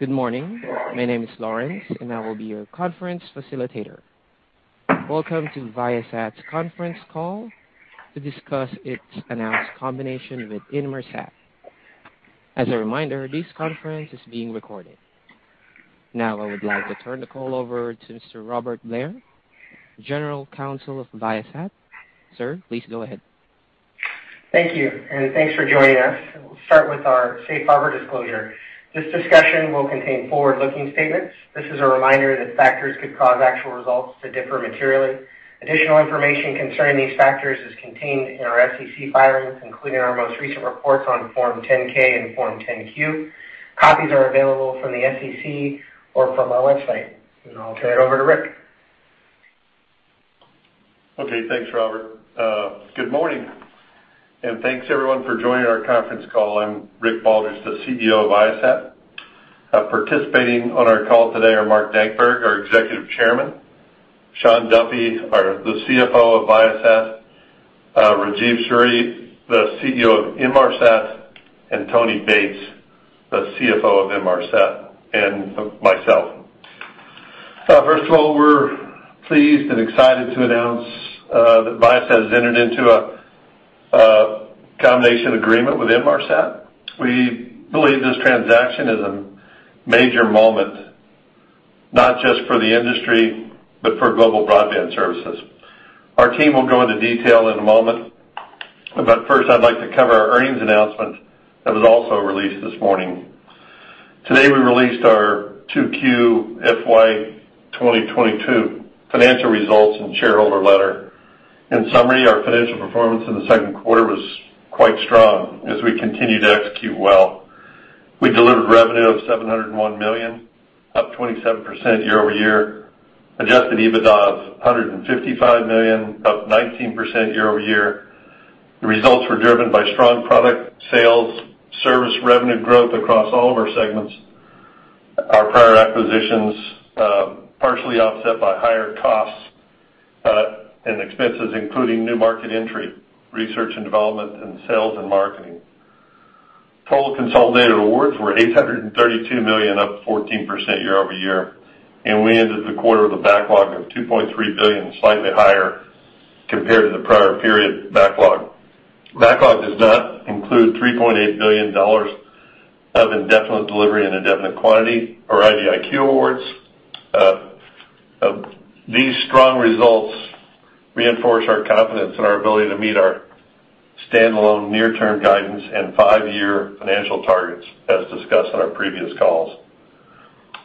Good morning. My name is Lawrence, and I will be your conference facilitator. Welcome to Viasat's conference call to discuss its announced combination with Inmarsat. As a reminder, this conference is being recorded. Now, I would like to turn the call over to Mr. Robert Blair, General Counsel of Viasat. Sir, please go ahead. Thank you, and thanks for joining us. We'll start with our safe harbor disclosure. This discussion will contain forward-looking statements. This is a reminder that factors could cause actual results to differ materially. Additional information concerning these factors is contained in our SEC filings, including our most recent reports on Form 10-K and Form 10-Q. Copies are available from the SEC or from our website. I'll turn it over to Rick. Okay. Thanks, Robert. Good morning, and thanks, everyone, for joining our conference call. I'm Rick Baldridge, the CEO of Viasat. Participating on our call today are Mark Dankberg, our Executive Chairman, Shawn Duffy, our CFO of Viasat, Rajeev Suri, the CEO of Inmarsat, and Tony Bates, the CFO of Inmarsat, and myself. First of all, we're pleased and excited to announce that Viasat has entered into a combination agreement with Inmarsat. We believe this transaction is a major moment, not just for the industry, but for global broadband services. Our team will go into detail in a moment. First, I'd like to cover our earnings announcement that was also released this morning. Today, we released our 2QFY2022 financial results and shareholder letter. In summary, our financial performance in the second quarter was quite strong as we continue to execute well. We delivered revenue of $701 million, up 27% year-over-year. Adjusted EBITDA of $155 million, up 19% year-over-year. The results were driven by strong product sales, service revenue growth across all of our segments, our prior acquisitions, partially offset by higher costs and expenses, including new market entry, research and development, and sales and marketing. Total consolidated awards were $832 million, up 14% year-over-year, and we ended the quarter with a backlog of $2.3 billion, slightly higher compared to the prior period backlog. Backlog does not include $3.8 billion of indefinite delivery and indefinite quantity, or IDIQ awards. These strong results reinforce our confidence in our ability to meet our standalone near-term guidance and five-year financial targets, as discussed on our previous calls.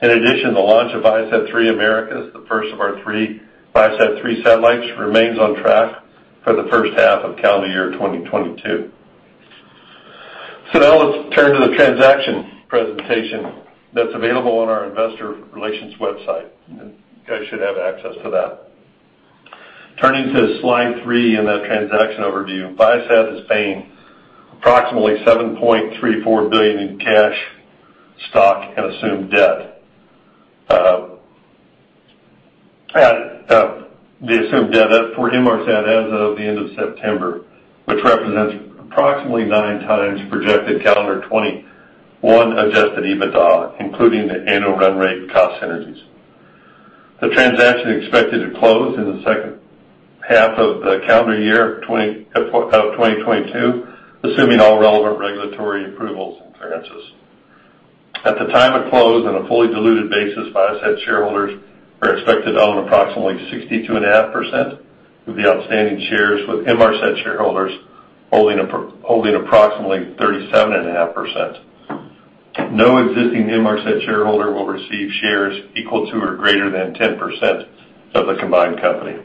In addition, the launch of ViaSat-3 Americas, the first of our three ViaSat-3 satellites, remains on track for the first half of calendar year 2022. Now let's turn to the transaction presentation that's available on our investor relations website. You guys should have access to that. Turning to slide 3 in the transaction overview. ViaSat is paying approximately $7.34 billion in cash, stock, and assumed debt. The assumed debt for Inmarsat as of the end of September, which represents approximately 9x projected calendar 2021 adjusted EBITDA, including the annual run rate cost synergies. The transaction is expected to close in the second half of the calendar year 2022, assuming all relevant regulatory approvals and clearances. At the time it closed, on a fully diluted basis, Viasat shareholders are expected to own approximately 62.5% of the outstanding shares, with Inmarsat shareholders holding approximately 37.5%. No existing Inmarsat shareholder will receive shares equal to or greater than 10% of the combined company.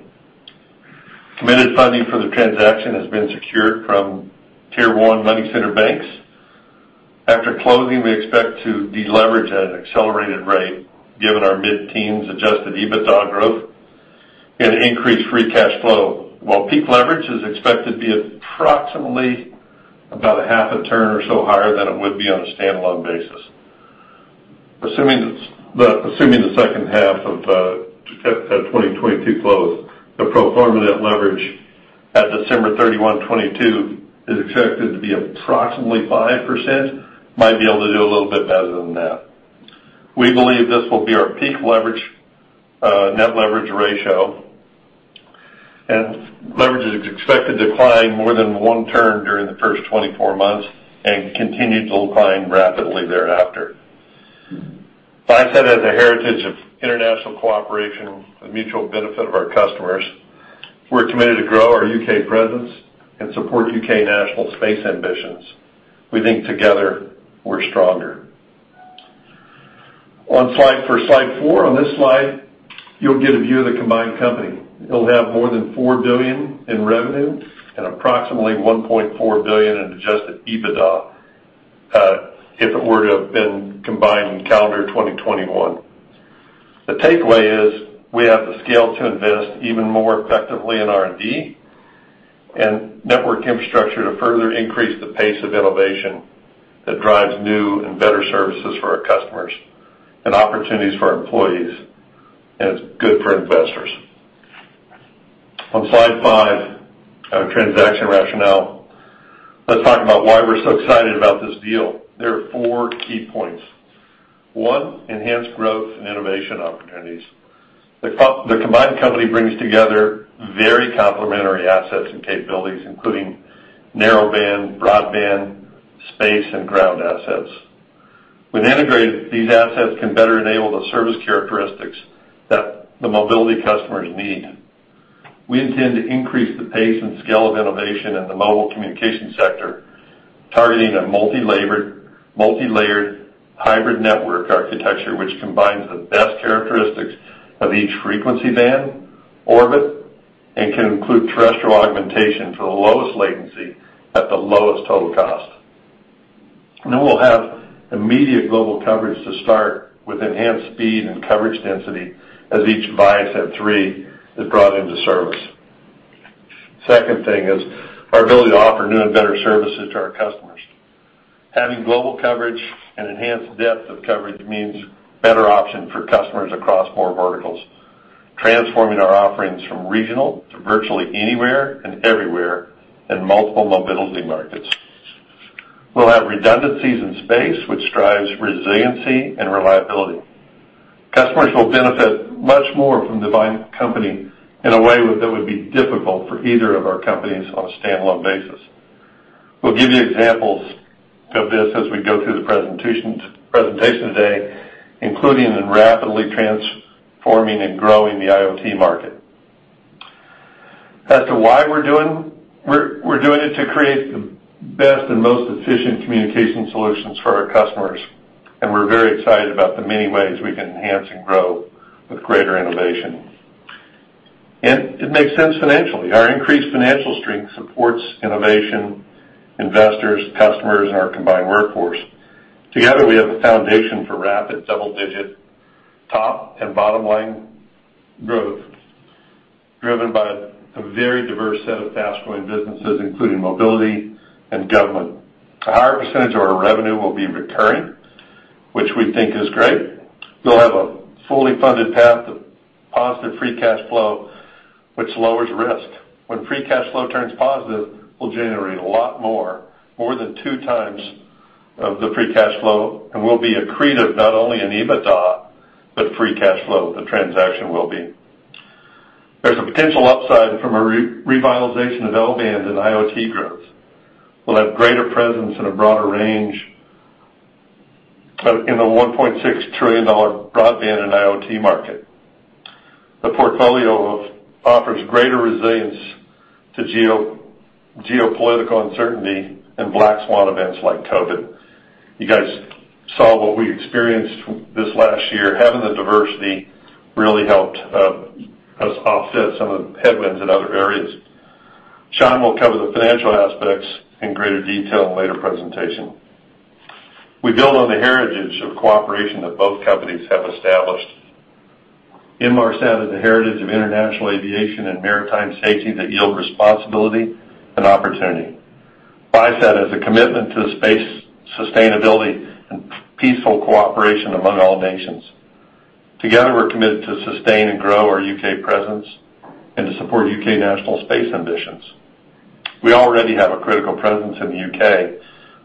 Committed funding for the transaction has been secured from Tier 1 money center banks. After closing, we expect to deleverage at an accelerated rate, given our mid-teens adjusted EBITDA growth and increased free cash flow, while peak leverage is expected to be approximately about a half a turn or so higher than it would be on a standalone basis. Assuming the second half of 2022 close, the pro forma net leverage at December 31, 2022 is expected to be approximately 5%. Might be able to do a little bit better than that. We believe this will be our peak leverage, net leverage ratio. Leverage is expected to decline more than one turn during the first 24 months and continue to decline rapidly thereafter. Viasat has a heritage of international cooperation for the mutual benefit of our customers. We're committed to grow our U.K. presence and support U.K. national space ambitions. We think together we're stronger. On slide four. On this slide, you'll get a view of the combined company. It'll have more than $4 billion in revenue and approximately $1.4 billion in adjusted EBITDA, if it were to have been combined in calendar 2021. The takeaway is we have the scale to invest even more effectively in R&D and network infrastructure to further increase the pace of innovation that drives new and better services for our customers and opportunities for our employees, and it's good for investors. On slide five, our transaction rationale. Let's talk about why we're so excited about this deal. There are four key points. One, enhanced growth and innovation opportunities. The combined company brings together very complementary assets and capabilities, including narrowband, broadband, space, and ground assets. When integrated, these assets can better enable the service characteristics that the mobility customers need. We intend to increase the pace and scale of innovation in the mobile communication sector, targeting a multilayered hybrid network architecture, which combines the best characteristics of each frequency band, orbit, and can include terrestrial augmentation for the lowest latency at the lowest total cost. Then we'll have immediate global coverage to start with enhanced speed and coverage density as each ViaSat-3 is brought into service. Second thing is our ability to offer new and better services to our customers. Having global coverage and enhanced depth of coverage means better options for customers across more verticals, transforming our offerings from regional to virtually anywhere and everywhere in multiple mobility markets. We'll have redundancies in space, which drives resiliency and reliability. Customers will benefit much more from the combined company in a way that would be difficult for either of our companies on a standalone basis. We'll give you examples of this as we go through the presentation today, including in rapidly transforming and growing the IoT market. As to why we're doing it to create the best and most efficient communication solutions for our customers, and we're very excited about the many ways we can enhance and grow with greater innovation. It makes sense financially. Our increased financial strength supports innovation, investors, customers, and our combined workforce. Together, we have the foundation for rapid double-digit top and bottom-line growth, driven by a very diverse set of fast-growing businesses, including mobility and government. A higher percentage of our revenue will be recurring, which we think is great. We'll have a fully funded path of positive free cash flow, which lowers risk. When free cash flow turns positive, we'll generate a lot more than 2x the free cash flow, and we'll be accretive not only in EBITDA, but free cash flow. The transaction will be. There's a potential upside from a revitalization of L-band and IoT growth. We'll have greater presence in a broader range in the $1.6 trillion broadband and IoT market. The portfolio offers greater resilience to geopolitical uncertainty and black swan events like COVID. You guys saw what we experienced this last year. Having the diversity really helped us offset some of the headwinds in other areas. Sean will cover the financial aspects in greater detail in later presentation. We build on the heritage of cooperation that both companies have established. Inmarsat is a heritage of international aviation and maritime safety that yield responsibility and opportunity. Viasat is a commitment to space, sustainability, and peaceful cooperation among all nations. Together, we're committed to sustain and grow our U.K. presence and to support U.K. national space ambitions. We already have a critical presence in the U.K.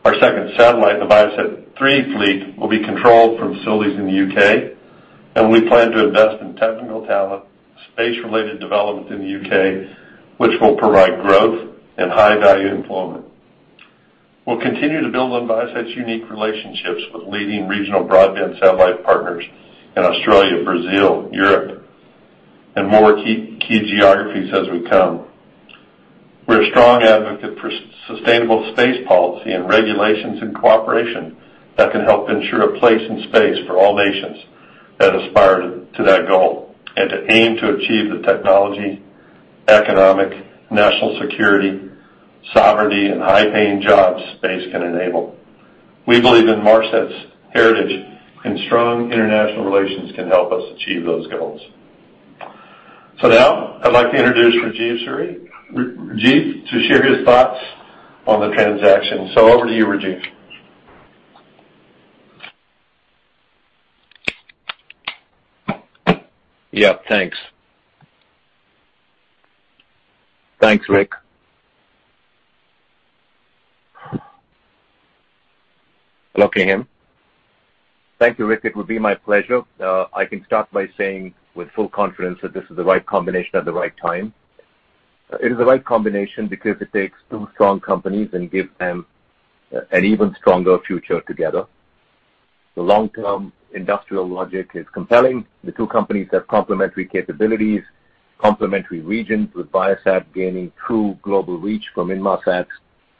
Our second satellite, the ViaSat-3 fleet, will be controlled from facilities in the U.K., and we plan to invest in technical talent, space-related development in the U.K., which will provide growth and high-value employment. We'll continue to build on Viasat's unique relationships with leading regional broadband satellite partners in Australia, Brazil, Europe, and more key geographies as we come. We're a strong advocate for sustainable space policy and regulations and cooperation that can help ensure a place in space for all nations that aspire to that goal, and to aim to achieve the technology, economic, national security, sovereignty, and high-paying jobs space can enable. We believe Inmarsat's heritage and strong international relations can help us achieve those goals. Now I'd like to introduce Rajeev Suri to share his thoughts on the transaction. Over to you, Rajeev. Thanks, Rick. Hello to him. Thank you, Rick. It would be my pleasure. I can start by saying with full confidence that this is the right combination at the right time. It is the right combination because it takes two strong companies and gives them an even stronger future together. The long-term industrial logic is compelling. The two companies have complementary capabilities, complementary regions, with Viasat gaining true global reach from Inmarsat's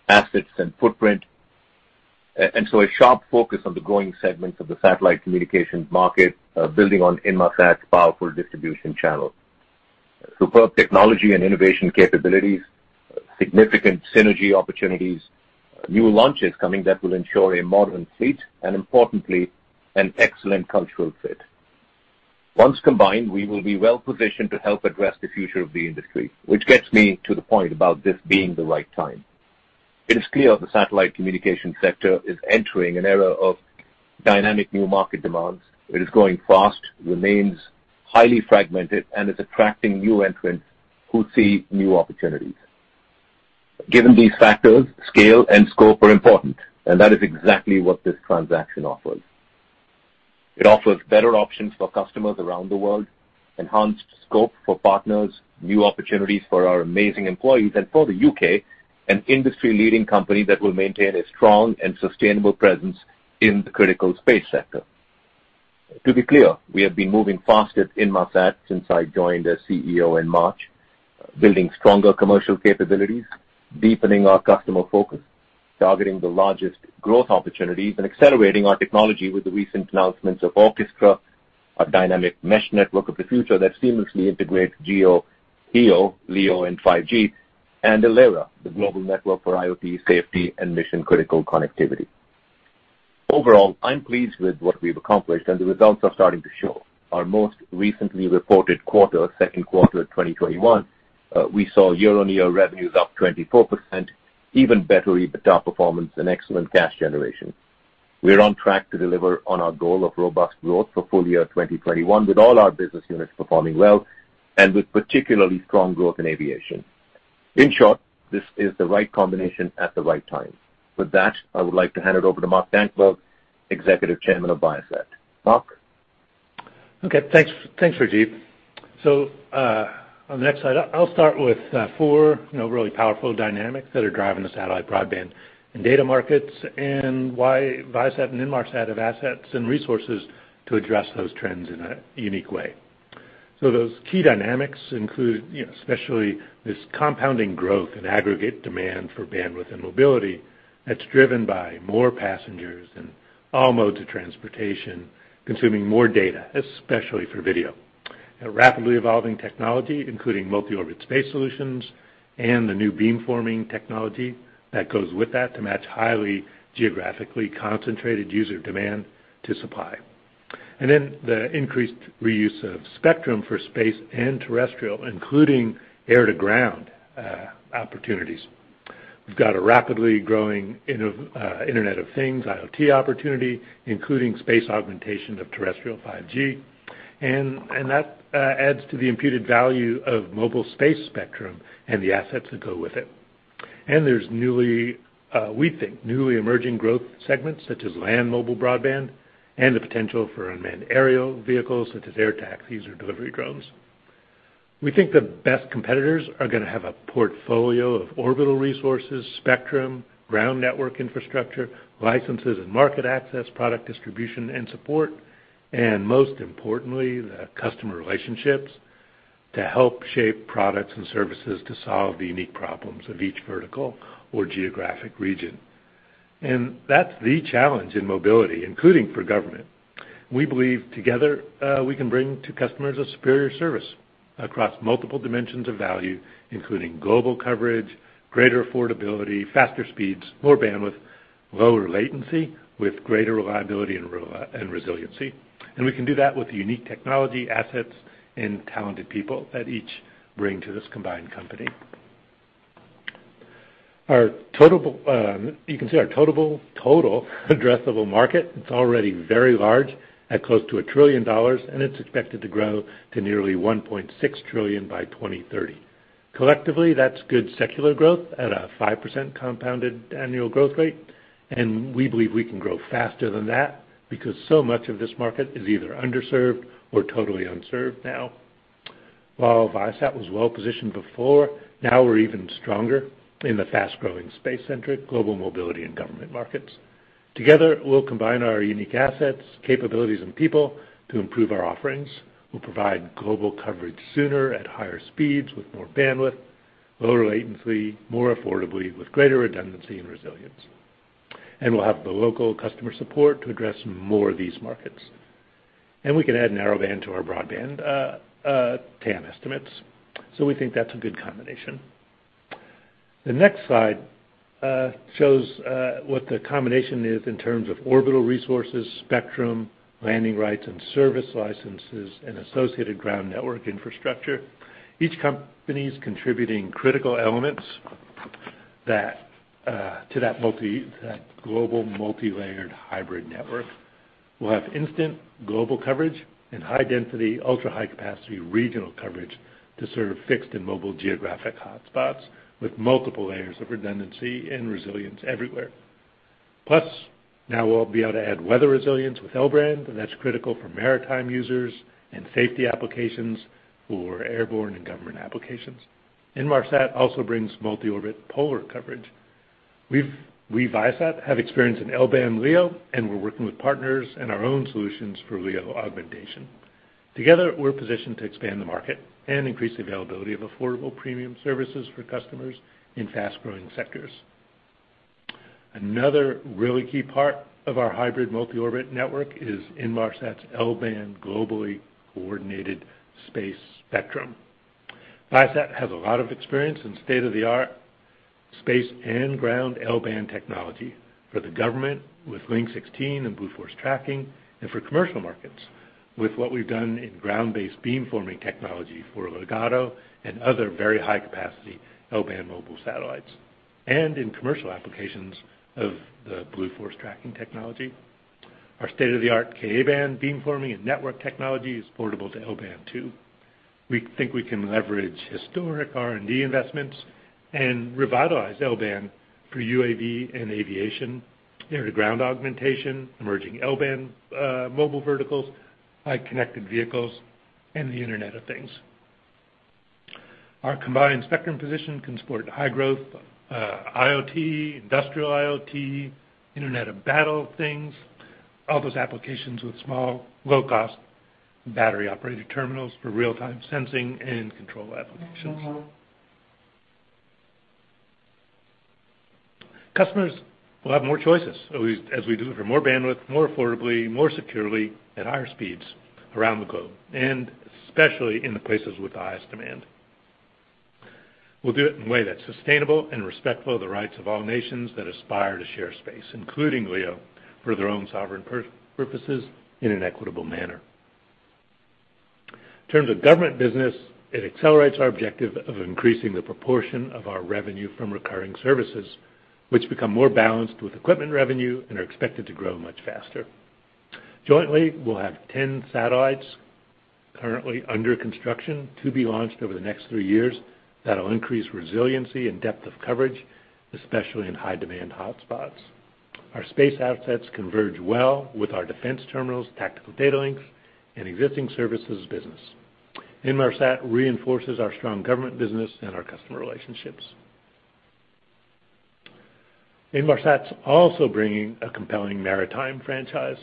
assets and footprint. And so a sharp focus on the growing segments of the satellite communications market, building on Inmarsat's powerful distribution channel. Superb technology and innovation capabilities, significant synergy opportunities, new launches coming that will ensure a modern fleet, and importantly, an excellent cultural fit. Once combined, we will be well-positioned to help address the future of the industry, which gets me to the point about this being the right time. It is clear the satellite communication sector is entering an era of dynamic new market demands. It is growing fast, remains highly fragmented, and is attracting new entrants who see new opportunities. Given these factors, scale and scope are important, and that is exactly what this transaction offers. It offers better options for customers around the world, enhanced scope for partners, new opportunities for our amazing employees, and for the U.K., an industry-leading company that will maintain a strong and sustainable presence in the critical space sector. To be clear, we have been moving fast at Inmarsat since I joined as CEO in March, building stronger commercial capabilities, deepening our customer focus, targeting the largest growth opportunities, and accelerating our technology with the recent announcements of ORCHESTRA, our dynamic mesh network of the future that seamlessly integrates GEO, MEO, LEO, and 5G, and ELERA, the global network for IoT safety and mission-critical connectivity. Overall, I'm pleased with what we've accomplished, and the results are starting to show. Our most recently reported quarter, second quarter 2021, we saw year-on-year revenues up 24%, even better EBITDA performance and excellent cash generation. We're on track to deliver on our goal of robust growth for full year 2021 with all our business units performing well and with particularly strong growth in aviation. In short, this is the right combination at the right time. With that, I would like to hand it over to Mark Dankberg, Executive Chairman of Viasat. Mark? Thanks, Rajeev. On the next slide, I'll start with four, you know, really powerful dynamics that are driving the satellite broadband and data markets and why Viasat and Inmarsat have assets and resources to address those trends in a unique way. Those key dynamics include, you know, especially this compounding growth in aggregate demand for bandwidth and mobility that's driven by more passengers in all modes of transportation, consuming more data, especially for video. A rapidly evolving technology, including multi-orbit space solutions and the new beam-forming technology that goes with that to match highly geographically concentrated user demand to supply. And then the increased reuse of spectrum for space and terrestrial, including air-to-ground opportunities. We've got a rapidly growing Internet of Things, IoT opportunity, including space augmentation of terrestrial 5G. That adds to the imputed value of mobile space spectrum and the assets that go with it. There's newly, we think, newly emerging growth segments, such as land mobile broadband and the potential for unmanned aerial vehicles, such as air taxis or delivery drones. We think the best competitors are gonna have a portfolio of orbital resources, spectrum, ground network infrastructure, licenses and market access, product distribution and support, and most importantly, the customer relationships to help shape products and services to solve the unique problems of each vertical or geographic region. That's the challenge in mobility, including for government. We believe together, we can bring to customers a superior service across multiple dimensions of value, including global coverage, greater affordability, faster speeds, more bandwidth, lower latency with greater reliability and resiliency. We can do that with the unique technology assets and talented people that each bring to this combined company. You can see our total addressable market. It's already very large at close to $1 trillion, and it's expected to grow to nearly $1.6 trillion by 2030. Collectively, that's good secular growth at a 5% compounded annual growth rate, and we believe we can grow faster than that because so much of this market is either underserved or totally unserved now. While Viasat was well-positioned before, now we're even stronger in the fast-growing space-centric global mobility and government markets. Together, we'll combine our unique assets, capabilities, and people to improve our offerings. We'll provide global coverage sooner at higher speeds with more bandwidth, lower latency, more affordably with greater redundancy and resilience. We'll have the local customer support to address more of these markets. We can add narrowband to our broadband TAM estimates. We think that's a good combination. The next slide shows what the combination is in terms of orbital resources, spectrum, landing rights, and service licenses and associated ground network infrastructure, each company's contributing critical elements that to that global multilayered hybrid network. We'll have instant global coverage and high density, ultra-high capacity regional coverage to serve fixed and mobile geographic hotspots with multiple layers of redundancy and resilience everywhere. Plus, now we'll be able to add weather resilience with L-band, and that's critical for maritime users and safety applications for airborne and government applications. Inmarsat also brings multi-orbit polar coverage. We Viasat have experience in L-band LEO, and we're working with partners and our own solutions for LEO augmentation. Together, we're positioned to expand the market and increase the availability of affordable premium services for customers in fast-growing sectors. Another really key part of our hybrid multi-orbit network is Inmarsat's L-band globally coordinated space spectrum. Viasat has a lot of experience in state-of-the-art space and ground L-band technology for the government with Link 16 and Blue Force Tracking, and for commercial markets with what we've done in ground-based beamforming technology for Ligado and other very high-capacity L-band mobile satellites, and in commercial applications of the Blue Force Tracking technology. Our state-of-the-art Ka-band beamforming and network technology is portable to L-band too. We think we can leverage historic R&D investments and revitalize L-band for UAV and aviation air-to-ground augmentation, emerging L-band mobile verticals, highly connected vehicles, and the Internet of Things. Our combined spectrum position can support high growth, IoT, industrial IoT, Internet of Battle Things, all those applications with small, low-cost battery-operated terminals for real-time sensing and control applications. Customers will have more choices as we deliver more bandwidth, more affordably, more securely at higher speeds around the globe, and especially in the places with the highest demand. We'll do it in a way that's sustainable and respectful of the rights of all nations that aspire to share space, including LEO, for their own sovereign purposes in an equitable manner. In terms of government business, it accelerates our objective of increasing the proportion of our revenue from recurring services, which become more balanced with equipment revenue and are expected to grow much faster. Jointly, we'll have 10 satellites currently under construction to be launched over the next three years that'll increase resiliency and depth of coverage, especially in high-demand hotspots. Our space assets converge well with our defense terminals, tactical data links, and existing services business. Inmarsat reinforces our strong government business and our customer relationships. Inmarsat's also bringing a compelling maritime franchise.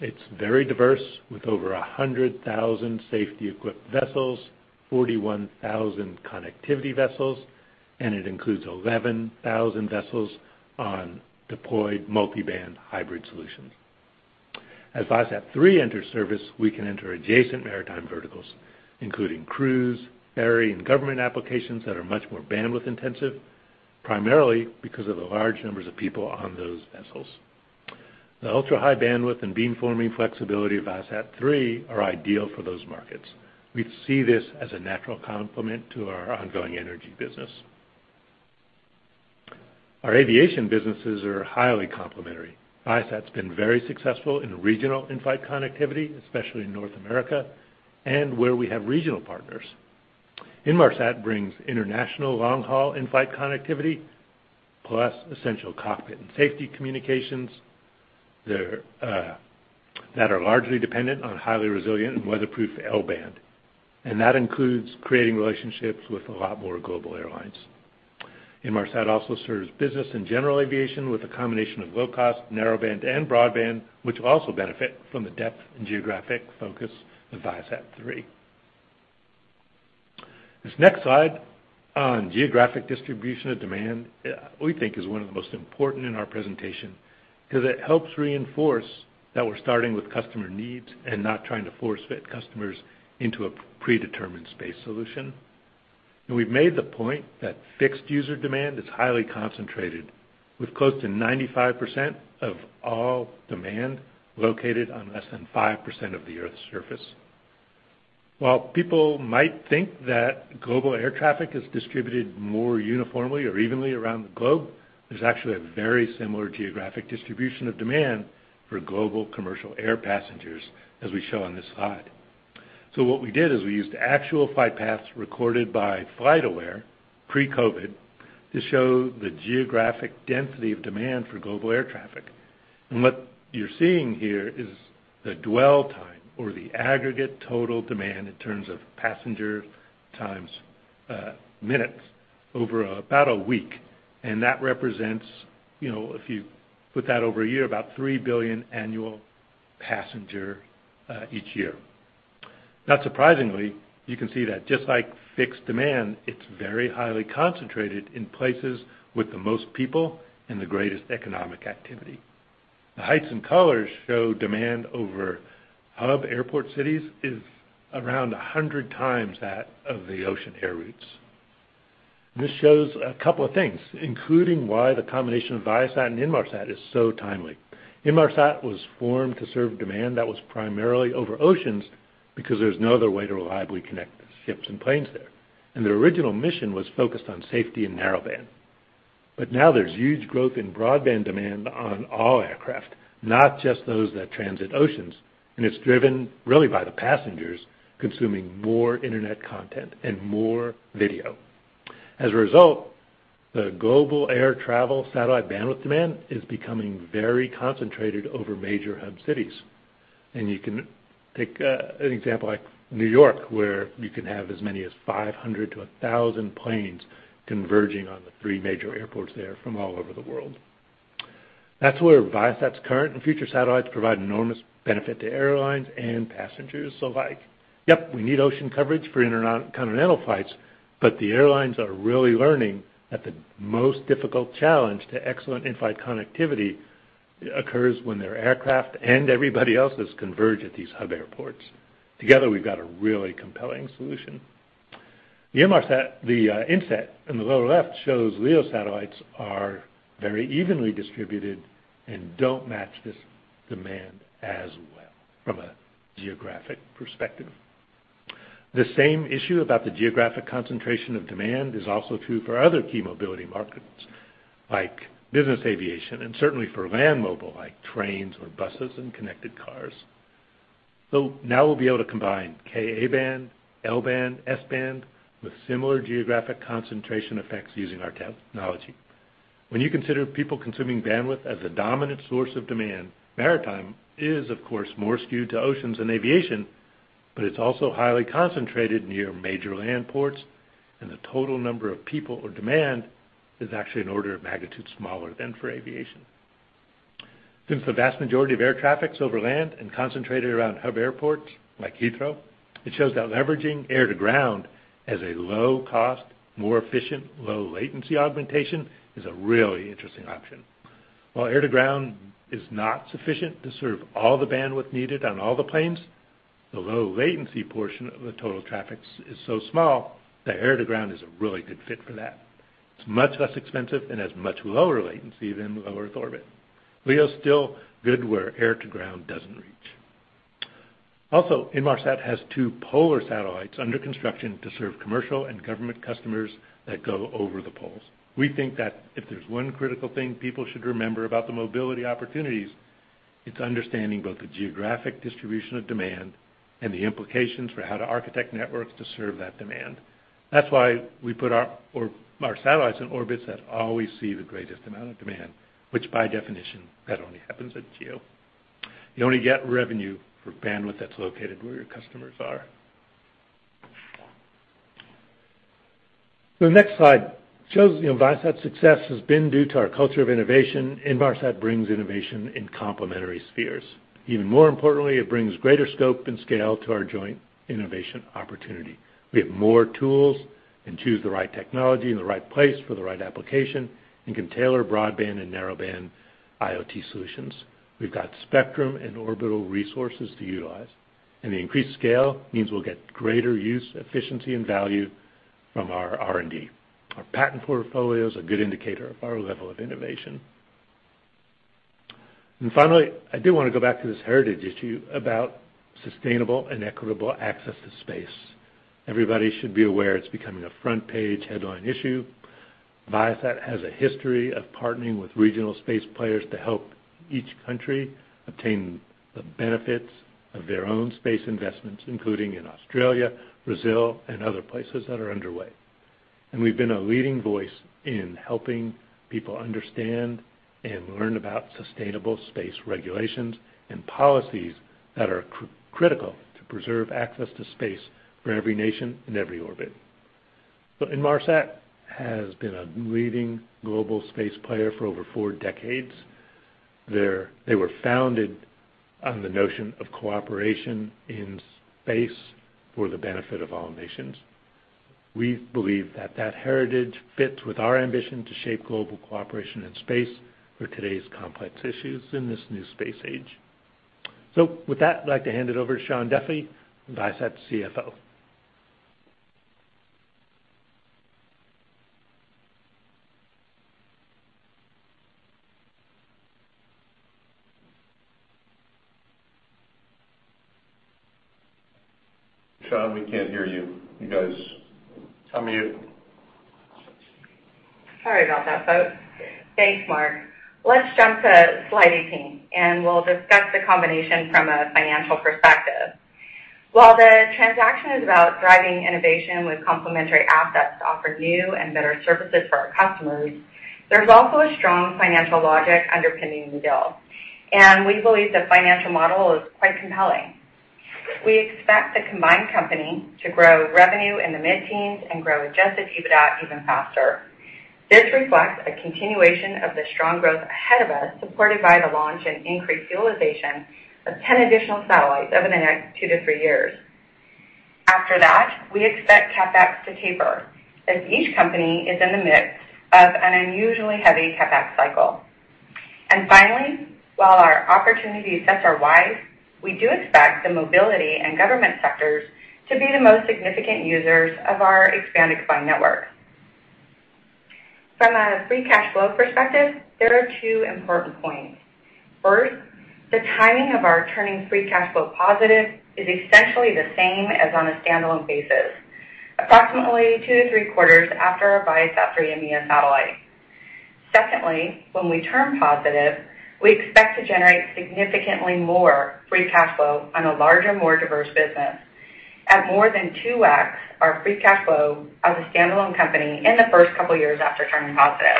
It's very diverse, with over 100,000 safety-equipped vessels, 41,000 connectivity vessels, and it includes 11,000 vessels on deployed multi-band hybrid solutions. As ViaSat-3 enters service, we can enter adjacent maritime verticals, including cruise, ferry, and government applications that are much more bandwidth-intensive, primarily because of the large numbers of people on those vessels. The ultra-high bandwidth and beamforming flexibility of ViaSat-3 are ideal for those markets. We see this as a natural complement to our ongoing energy business. Our aviation businesses are highly complementary. Viasat's been very successful in regional in-flight connectivity, especially in North America, and where we have regional partners. Inmarsat brings international long-haul in-flight connectivity, plus essential cockpit and safety communications. They're that are largely dependent on highly resilient and weatherproof L-band. That includes creating relationships with a lot more global airlines. Inmarsat also serves business and general aviation with a combination of low cost, narrowband and broadband, which will also benefit from the depth and geographic focus of ViaSat-3. This next slide on geographic distribution of demand, we think is one of the most important in our presentation because it helps reinforce that we're starting with customer needs and not trying to force-fit customers into a predetermined space solution. We've made the point that fixed user demand is highly concentrated, with close to 95% of all demand located on less than 5% of the Earth's surface. While people might think that global air traffic is distributed more uniformly or evenly around the globe, there's actually a very similar geographic distribution of demand for global commercial air passengers, as we show on this slide. What we did is we used actual flight paths recorded by FlightAware pre-COVID to show the geographic density of demand for global air traffic. What you're seeing here is the dwell time or the aggregate total demand in terms of passenger times minutes over about a week. That represents, you know, if you put that over a year, about 3 billion annual passenger each year. Not surprisingly, you can see that just like fixed demand, it's very highly concentrated in places with the most people and the greatest economic activity. The heights and colors show demand over hub airport cities is around 100 times that of the ocean air routes. This shows a couple of things, including why the combination of Viasat and Inmarsat is so timely. Inmarsat was formed to serve demand that was primarily over oceans because there's no other way to reliably connect ships and planes there. Their original mission was focused on safety and narrowband. Now there's huge growth in broadband demand on all aircraft, not just those that transit oceans. It's driven really by the passengers consuming more internet content and more video. As a result, the global air travel satellite bandwidth demand is becoming very concentrated over major hub cities. You can take an example like New York, where you can have as many as 500-1,000 planes converging on the three major airports there from all over the world. That's where Viasat's current and future satellites provide enormous benefit to airlines and passengers. We need ocean coverage for intercontinental flights, but the airlines are really learning that the most difficult challenge to excellent in-flight connectivity occurs when their aircraft and everybody else's converge at these hub airports. Together, we've got a really compelling solution. The inset in the lower left shows LEO satellites are very evenly distributed and don't match this demand as well from a geographic perspective. The same issue about the geographic concentration of demand is also true for other key mobility markets, like business aviation and certainly for land mobile, like trains or buses and connected cars. Now we'll be able to combine Ka-band, L-band, S-band with similar geographic concentration effects using our technology. When you consider people consuming bandwidth as the dominant source of demand, maritime is, of course, more skewed to oceans and aviation, but it's also highly concentrated near major land ports, and the total number of people or demand is actually an order of magnitude smaller than for aviation. Since the vast majority of air traffic's over land and concentrated around hub airports like Heathrow, it shows that leveraging air-to-ground as a low-cost, more efficient, low-latency augmentation is a really interesting option. While air-to-ground is not sufficient to serve all the bandwidth needed on all the planes, the low-latency portion of the total traffic is so small that air-to-ground is a really good fit for that. It's much less expensive and has much lower latency than low-Earth orbit. LEO's still good where air-to-ground doesn't reach. Also, Inmarsat has two polar satellites under construction to serve commercial and government customers that go over the poles. We think that if there's one critical thing people should remember about the mobility opportunities, it's understanding both the geographic distribution of demand and the implications for how to architect networks to serve that demand. That's why we put our satellites in orbits that always see the greatest amount of demand, which by definition, that only happens at GEO. You only get revenue for bandwidth that's located where your customers are. The next slide shows that Viasat's success has been due to our culture of innovation. Inmarsat brings innovation in complementary spheres. Even more importantly, it brings greater scope and scale to our joint innovation opportunity. We have more tools and choose the right technology in the right place for the right application and can tailor broadband and narrowband IoT solutions. We've got spectrum and orbital resources to utilize, and the increased scale means we'll get greater use, efficiency, and value from our R&D. Our patent portfolio is a good indicator of our level of innovation. Finally, I do wanna go back to this heritage issue about sustainable and equitable access to space. Everybody should be aware it's becoming a front-page headline issue. Viasat has a history of partnering with regional space players to help each country obtain the benefits of their own space investments, including in Australia, Brazil, and other places that are underway. We've been a leading voice in helping people understand and learn about sustainable space regulations and policies that are critical to preserve access to space for every nation in every orbit. Inmarsat has been a leading global space player for over four decades. They were founded on the notion of cooperation in space for the benefit of all nations. We believe that heritage fits with our ambition to shape global cooperation in space for today's complex issues in this new space age. With that, I'd like to hand it over to Shawn Duffy, Viasat's CFO. Shawn, we can't hear you. You guys, unmute. Sorry about that, folks. Thanks, Mark. Let's jump to slide 18, and we'll discuss the combination from a financial perspective. While the transaction is about driving innovation with complementary assets to offer new and better services for our customers, there's also a strong financial logic underpinning the deal, and we believe the financial model is quite compelling. We expect the combined company to grow revenue in the mid-teens% and grow adjusted EBITDA even faster. This reflects a continuation of the strong growth ahead of us, supported by the launch and increased utilization of 10 additional satellites over the next 2-3 years. After that, we expect CapEx to taper, as each company is in the midst of an unusually heavy CapEx cycle. Finally, while our opportunity sets are wide, we do expect the mobility and government sectors to be the most significant users of our expanded combined network. From a free cash flow perspective, there are two important points. First, the timing of our turning free cash flow positive is essentially the same as on a standalone basis, approximately 2-3 quarters after our ViaSat-3 EMEA satellite. Secondly, when we turn positive, we expect to generate significantly more free cash flow on a larger, more diverse business at more than 2x our free cash flow as a standalone company in the first couple of years after turning positive.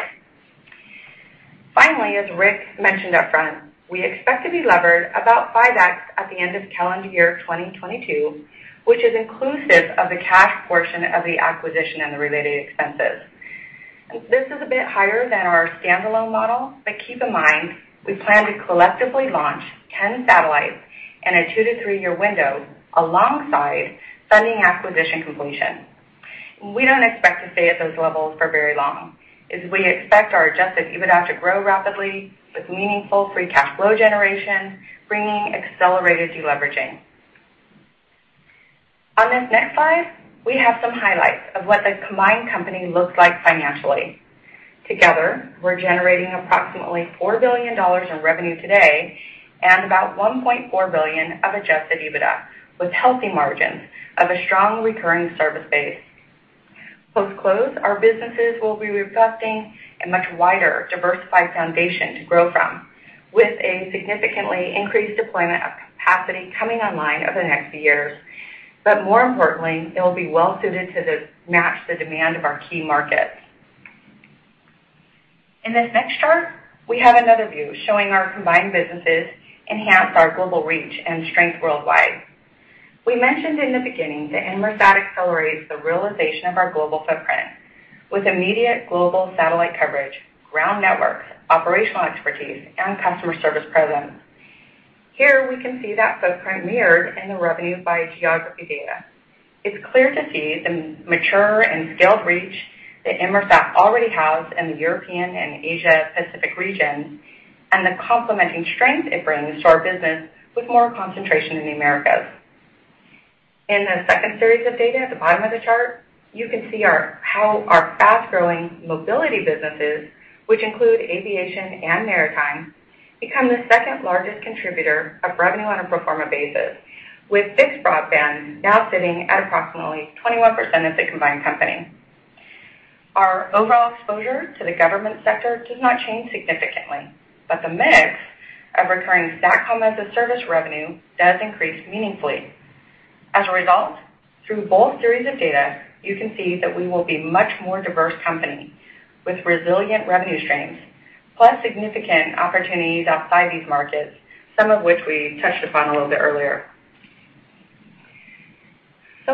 Finally, as Rick mentioned upfront, we expect to be levered about 5x at the end of calendar year 2022, which is inclusive of the cash portion of the acquisition and the related expenses. This is a bit higher than our standalone model, but keep in mind, we plan to collectively launch 10 satellites in a 2-3-year window alongside funding acquisition completion. We don't expect to stay at those levels for very long, as we expect our adjusted EBITDA to grow rapidly with meaningful free cash flow generation, bringing accelerated deleveraging. On this next slide, we have some highlights of what the combined company looks like financially. Together, we're generating approximately $4 billion in revenue today and about $1.4 billion of adjusted EBITDA, with healthy margins of a strong recurring service base. Post-close, our businesses will be reflecting a much wider, diversified foundation to grow from, with a significantly increased deployment of capacity coming online over the next few years. But more importantly, it will be well-suited to match the demand of our key markets. In this next chart, we have another view showing our combined businesses enhance our global reach and strength worldwide. We mentioned in the beginning that Inmarsat accelerates the realization of our global footprint with immediate global satellite coverage, ground networks, operational expertise, and customer service presence. Here we can see that footprint mirrored in the revenue by geography data. It's clear to see the mature and scaled reach that Inmarsat already has in the European and Asia Pacific region and the complementing strength it brings to our business with more concentration in the Americas. In the second series of data at the bottom of the chart, you can see our fast-growing mobility businesses, which include aviation and maritime, become the second-largest contributor of revenue on a pro forma basis, with fixed broadband now sitting at approximately 21% of the combined company. Our overall exposure to the government sector does not change significantly, but the mix of recurring SATCOM as a service revenue does increase meaningfully. As a result, through both series of data, you can see that we will be a much more diverse company with resilient revenue streams, plus significant opportunities outside these markets, some of which we touched upon a little bit earlier.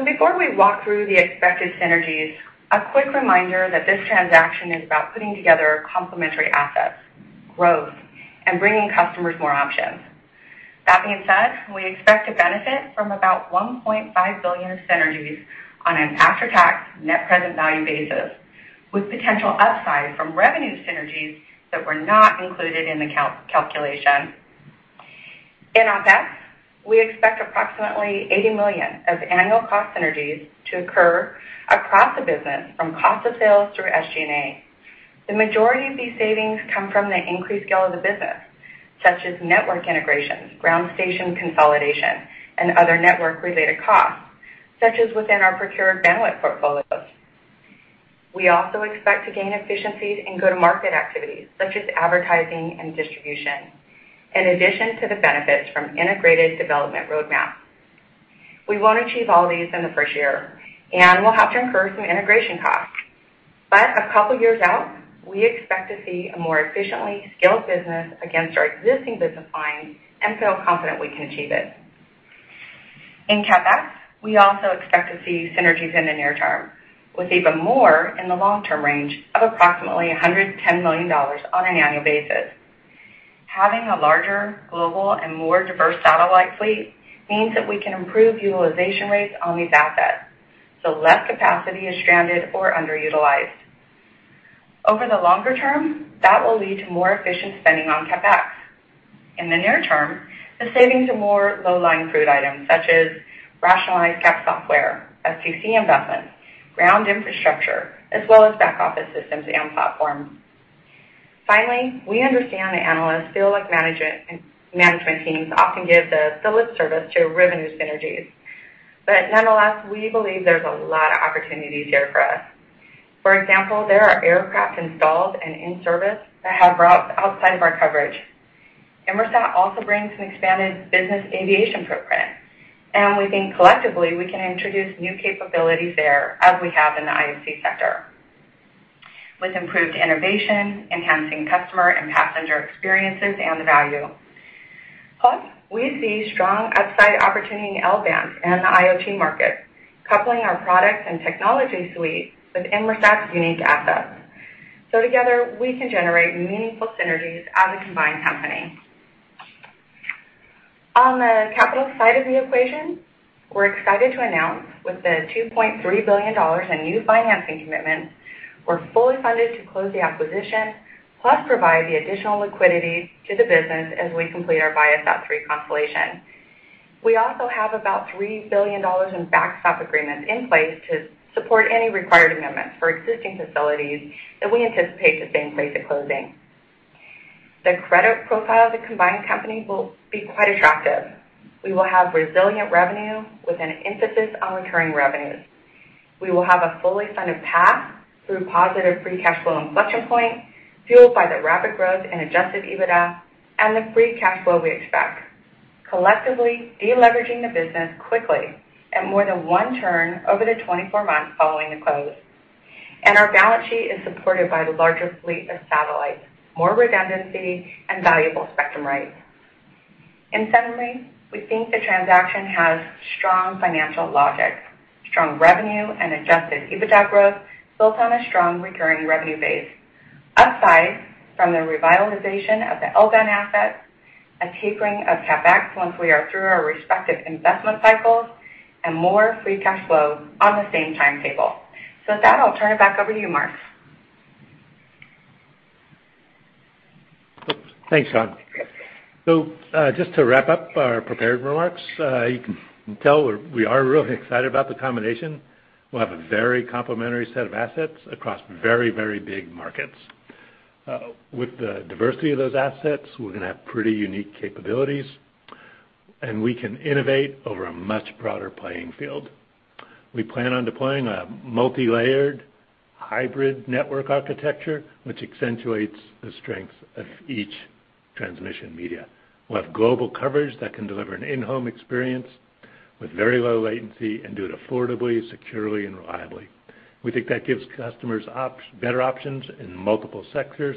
Before we walk through the expected synergies, a quick reminder that this transaction is about putting together complementary assets, growth, and bringing customers more options. That being said, we expect to benefit from about $1.5 billion synergies on an after-tax net present value basis, with potential upside from revenue synergies that were not included in the calculation. In OpEx, we expect approximately $80 million of annual cost synergies to occur across the business from cost of sales through SG&A. The majority of these savings come from the increased scale of the business, such as network integrations, ground station consolidation, and other network-related costs, such as within our procured bandwidth portfolios. We also expect to gain efficiencies in go-to-market activities, such as advertising and distribution, in addition to the benefits from integrated development roadmap. We won't achieve all these in the first year, and we'll have to incur some integration costs. A couple years out, we expect to see a more efficiently scaled business against our existing business lines and feel confident we can achieve it. In CapEx, we also expect to see synergies in the near term, with even more in the long-term range of approximately $110 million on an annual basis. Having a larger global and more diverse satellite fleet means that we can improve utilization rates on these assets, so less capacity is stranded or underutilized. Over the longer term, that will lead to more efficient spending on CapEx. In the near term, the savings are more low-hanging fruit items, such as rationalized CAP software, FCC investments, ground infrastructure, as well as back-office systems and platforms. Finally, we understand that analysts feel like management teams often give the lip service to revenue synergies. Nonetheless, we believe there's a lot of opportunities here for us. For example, there are aircraft installed and in service that have routes outside of our coverage. Inmarsat also brings an expanded business aviation footprint, and we think collectively we can introduce new capabilities there as we have in the IFC sector, with improved innovation, enhancing customer and passenger experiences, and value. We see strong upside opportunity in L-band and the IoT market, coupling our product and technology suite with Inmarsat's unique assets. Together, we can generate meaningful synergies as a combined company. On the capital side of the equation, we're excited to announce with the $2.3 billion in new financing commitments, we're fully funded to close the acquisition, plus provide the additional liquidity to the business as we complete our ViaSat-3 constellation. We also have about $3 billion in backstop agreements in place to support any required amendments for existing facilities that we anticipate to stay in place at closing. The credit profile of the combined company will be quite attractive. We will have resilient revenue with an emphasis on recurring revenues. We will have a fully funded path through positive free cash flow inflection point, fueled by the rapid growth in adjusted EBITDA and the free cash flow we expect, collectively de-leveraging the business quickly at more than one turn over the 24 months following the close. Our balance sheet is supported by the larger fleet of satellites, more redundancy, and valuable spectrum rights. In summary, we think the transaction has strong financial logic, strong revenue and adjusted EBITDA growth built on a strong recurring revenue base, upside from the revitalization of the L-band assets, a tapering of CapEx once we are through our respective investment cycles, and more free cash flow on the same timetable. With that, I'll turn it back over to you, Mark. Thanks, John. Just to wrap up our prepared remarks, you can tell we are really excited about the combination. We'll have a very complementary set of assets across very, very big markets. With the diversity of those assets, we're gonna have pretty unique capabilities, and we can innovate over a much broader playing field. We plan on deploying a multi-layered hybrid network architecture which accentuates the strength of each transmission media. We'll have global coverage that can deliver an in-home experience with very low latency and do it affordably, securely and reliably. We think that gives customers better options in multiple sectors.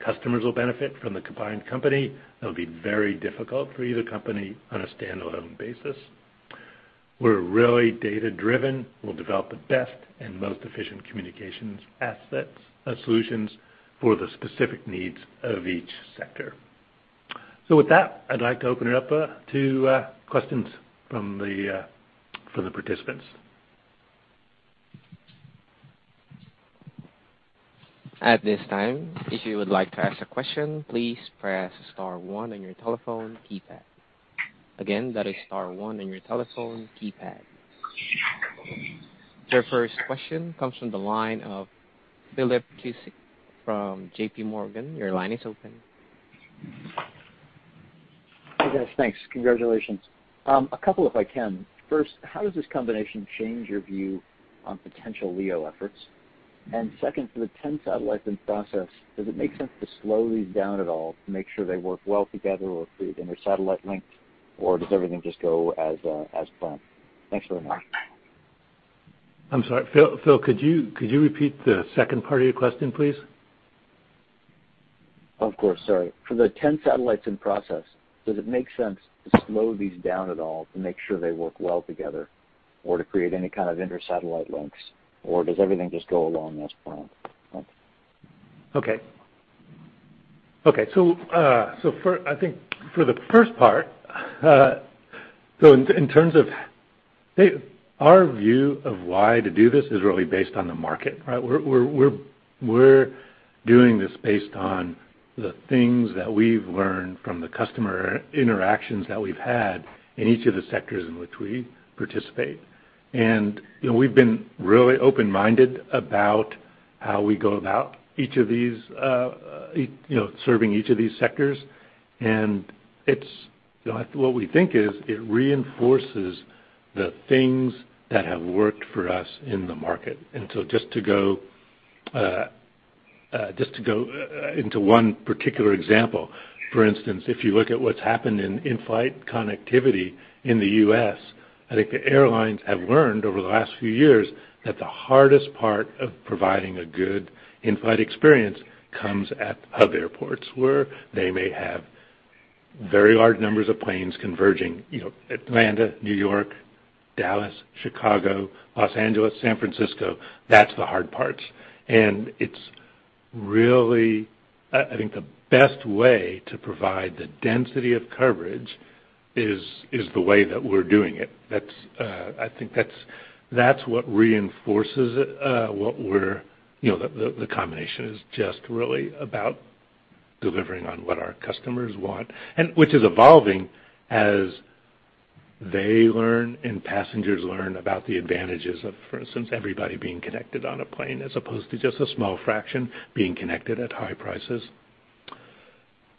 Customers will benefit from the combined company. It'll be very difficult for either company on a standalone basis. We're really data-driven. We'll develop the best and most efficient communications assets, solutions for the specific needs of each sector. With that, I'd like to open it up to questions from the participants. Your first question comes from the line of Philip from J.P. Morgan. Your line is open. Hi guys. Thanks. Congratulations. A couple if I can. First, how does this combination change your view on potential LEO efforts? Second, for the 10 satellites in process, does it make sense to slow these down at all to make sure they work well together or create inter-satellite links, or does everything just go as planned? Thanks very much. I'm sorry. Phil, could you repeat the second part of your question, please? Of course. Sorry. For the 10 satellites in process, does it make sense to slow these down at all to make sure they work well together or to create any kind of inter-satellite links, or does everything just go along as planned? I think for the first part, in terms of our view of why to do this is really based on the market, right? We're doing this based on the things that we've learned from the customer interactions that we've had in each of the sectors in which we participate. You know, we've been really open-minded about how we go about each of these, you know, serving each of these sectors. You know, what we think is, it reinforces the things that have worked for us in the market. Just to go into one particular example. For instance, if you look at what's happened in in-flight connectivity in the U.S., I think the airlines have learned over the last few years that the hardest part of providing a good in-flight experience comes at hub airports, where they may have very large numbers of planes converging. You know, Atlanta, New York, Dallas, Chicago, Los Angeles, San Francisco, that's the hard parts. It's really, I think the best way to provide the density of coverage is the way that we're doing it. That's, I think that's what reinforces it, what we're. You know, the combination is just really about delivering on what our customers want, and which is evolving as they learn and passengers learn about the advantages of, for instance, everybody being connected on a plane as opposed to just a small fraction being connected at high prices.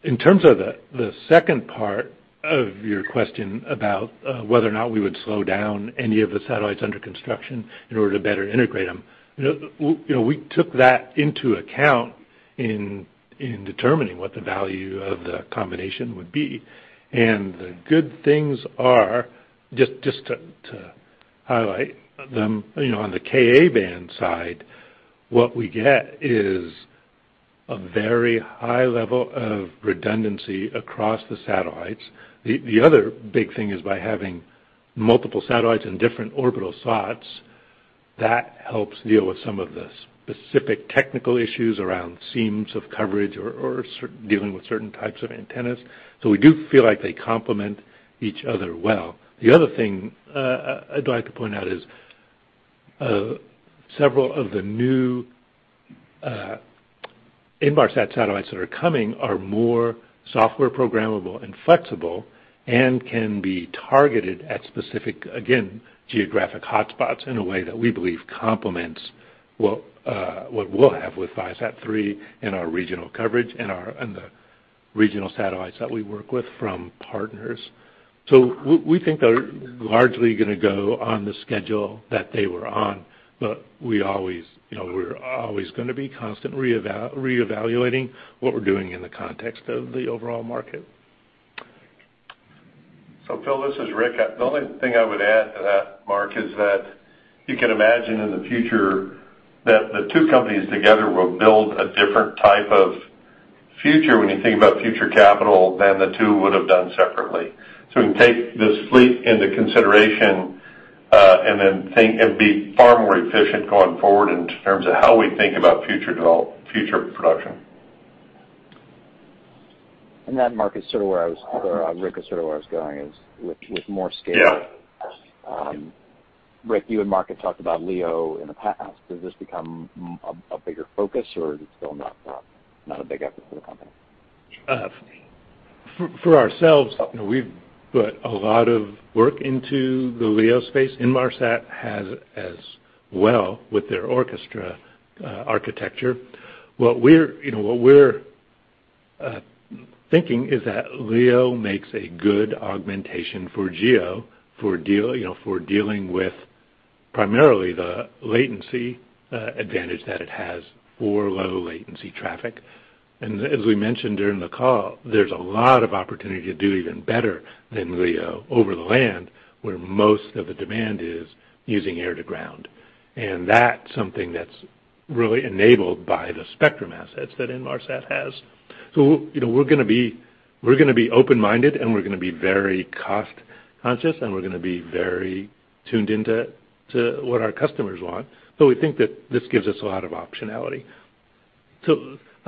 In terms of the second part of your question about whether or not we would slow down any of the satellites under construction in order to better integrate them. You know, you know, we took that into account in determining what the value of the combination would be. The good things are, just to highlight them, you know, on the Ka-band side, what we get is a very high level of redundancy across the satellites. The other big thing is by having multiple satellites in different orbital slots, that helps deal with some of the specific technical issues around seams of coverage or dealing with certain types of antennas. We do feel like they complement each other well. The other thing, I'd like to point out is, several of the new Inmarsat satellites that are coming are more software programmable and flexible and can be targeted at specific, again, geographic hotspots in a way that we believe complements what we'll have with ViaSat-3 and our regional coverage and our, and the regional satellites that we work with from partners. We think they're largely gonna go on the schedule that they were on, but we always, you know, we're always gonna be constantly reevaluating what we're doing in the context of the overall market. Phil, this is Rick. The only thing I would add to that, Mark, is that you can imagine in the future that the two companies together will build a different type of future when you think about future capital than the two would have done separately. We take this fleet into consideration, and then think it'd be far more efficient going forward in terms of how we think about future production. That, Rick, is sort of where I was going with more scale. Yeah. Rick, you and Mark talked about LEO in the past. Does this become a bigger focus or is it still not a big effort for the company? For ourselves, you know, we've put a lot of work into the LEO space. Inmarsat has as well with their ORCHESTRA architecture. What we're thinking is that LEO makes a good augmentation for GEO, you know, for dealing with primarily the latency advantage that it has for low latency traffic. As we mentioned during the call, there's a lot of opportunity to do even better than LEO over the land where most of the demand is using air-to-ground. That's something that's really enabled by the spectrum assets that Inmarsat has. You know, we're gonna be open-minded, and we're gonna be very cost conscious, and we're gonna be very tuned into what our customers want, but we think that this gives us a lot of optionality.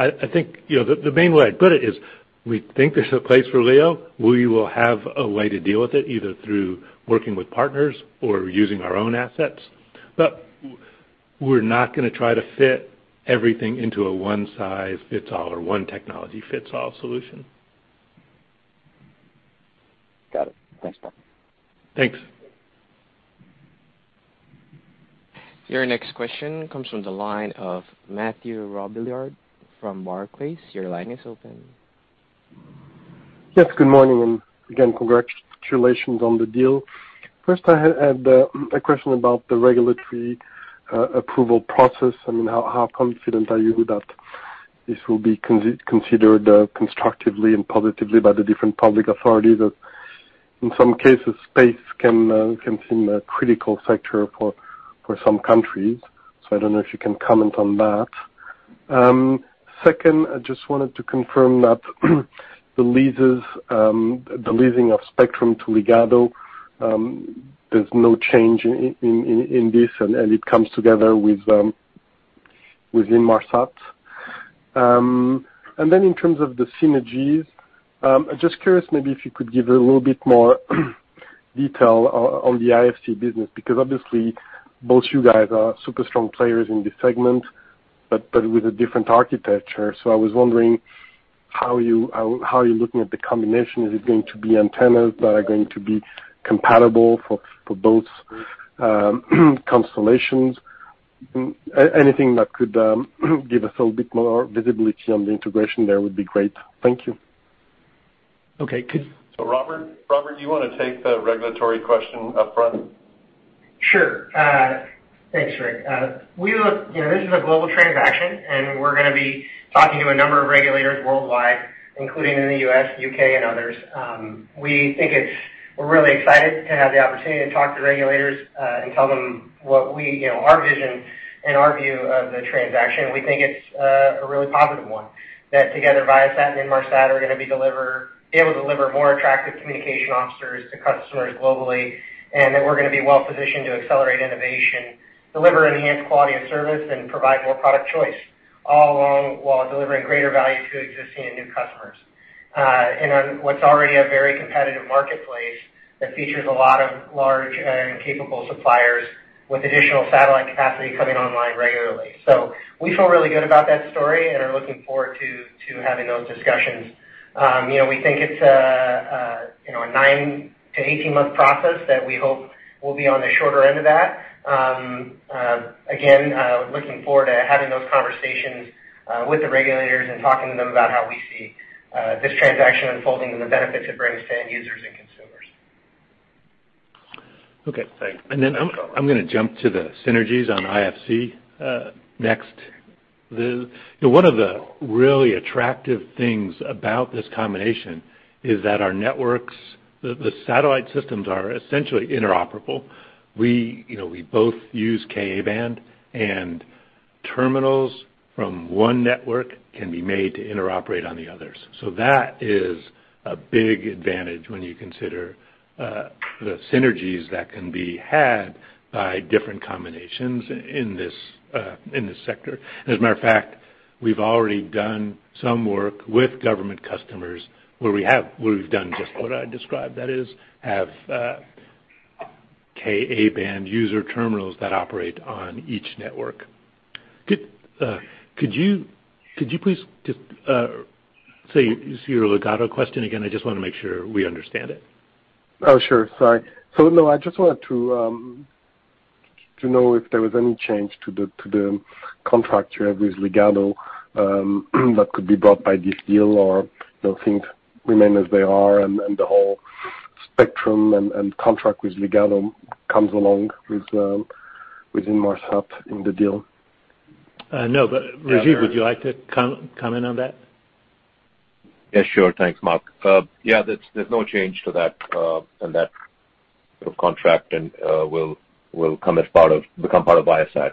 I think, you know, the main way I'd put it is we think there's a place for LEO. We will have a way to deal with it, either through working with partners or using our own assets. But we're not gonna try to fit everything into a one size fits all or one technology fits all solution. Got it. Thanks, Mark. Thanks. Your next question comes from the line of Mathieu Robilliard from Barclays. Your line is open. Yes. Good morning, and again, congratulations on the deal. First, I had a question about the regulatory approval process. I mean, how confident are you that this will be considered constructively and positively by the different public authorities? That in some cases space can seem a critical factor for some countries. I don't know if you can comment on that. Second, I just wanted to confirm that the leases, the leasing of spectrum to Ligado, there's no change in this and it comes together with Inmarsat. In terms of the synergies, I'm just curious maybe if you could give a little bit more detail on the IFC business, because obviously both you guys are super strong players in this segment, but with a different architecture. I was wondering how you're looking at the combination. Is it going to be antennas that are going to be compatible for both constellations? Anything that could give us a little bit more visibility on the integration there would be great. Thank you. Okay. Robert, do you wanna take the regulatory question up front? Sure. Thanks, Rick. You know, this is a global transaction, and we're gonna be talking to a number of regulators worldwide, including in the U.S., U.K., and others. We're really excited to have the opportunity to talk to regulators, and tell them what we, you know, our vision and our view of the transaction. We think it's a really positive one. That together Viasat and Inmarsat are gonna be able to deliver more attractive communication offerings to customers globally, and that we're gonna be well positioned to accelerate innovation, deliver enhanced quality of service, and provide more product choice, all along while delivering greater value to existing and new customers, in what's already a very competitive marketplace that features a lot of large and capable suppliers with additional satellite capacity coming online regularly. We feel really good about that story and are looking forward to having those discussions. You know, we think it's a 9-18 month process that we hope will be on the shorter end of that. Again, looking forward to having those conversations with the regulators and talking to them about how we see this transaction unfolding and the benefits it brings to end users and consumers. Okay. Thanks. I'm gonna jump to the synergies on IFC next. One of the really attractive things about this combination is that our networks, the satellite systems are essentially interoperable. We, you know, we both use Ka-band and terminals from one network can be made to interoperate on the others. That is a big advantage when you consider the synergies that can be had by different combinations in this sector. As a matter of fact, we've already done some work with government customers where we've done just what I described. That is, have Ka-band user terminals that operate on each network. Could you please just say your Ligado question again? I just wanna make sure we understand it. Oh, sure. Sorry. No, I just wanted to know if there was any change to the contract you have with Ligado that could be brought by this deal or, you know, things remain as they are and the whole spectrum and contract with Ligado comes along with Inmarsat in the deal. No. Rajeev, would you like to comment on that? Yeah, sure. Thanks, Mark. Yeah, there's no change to that, and that sort of contract and will become part of Viasat.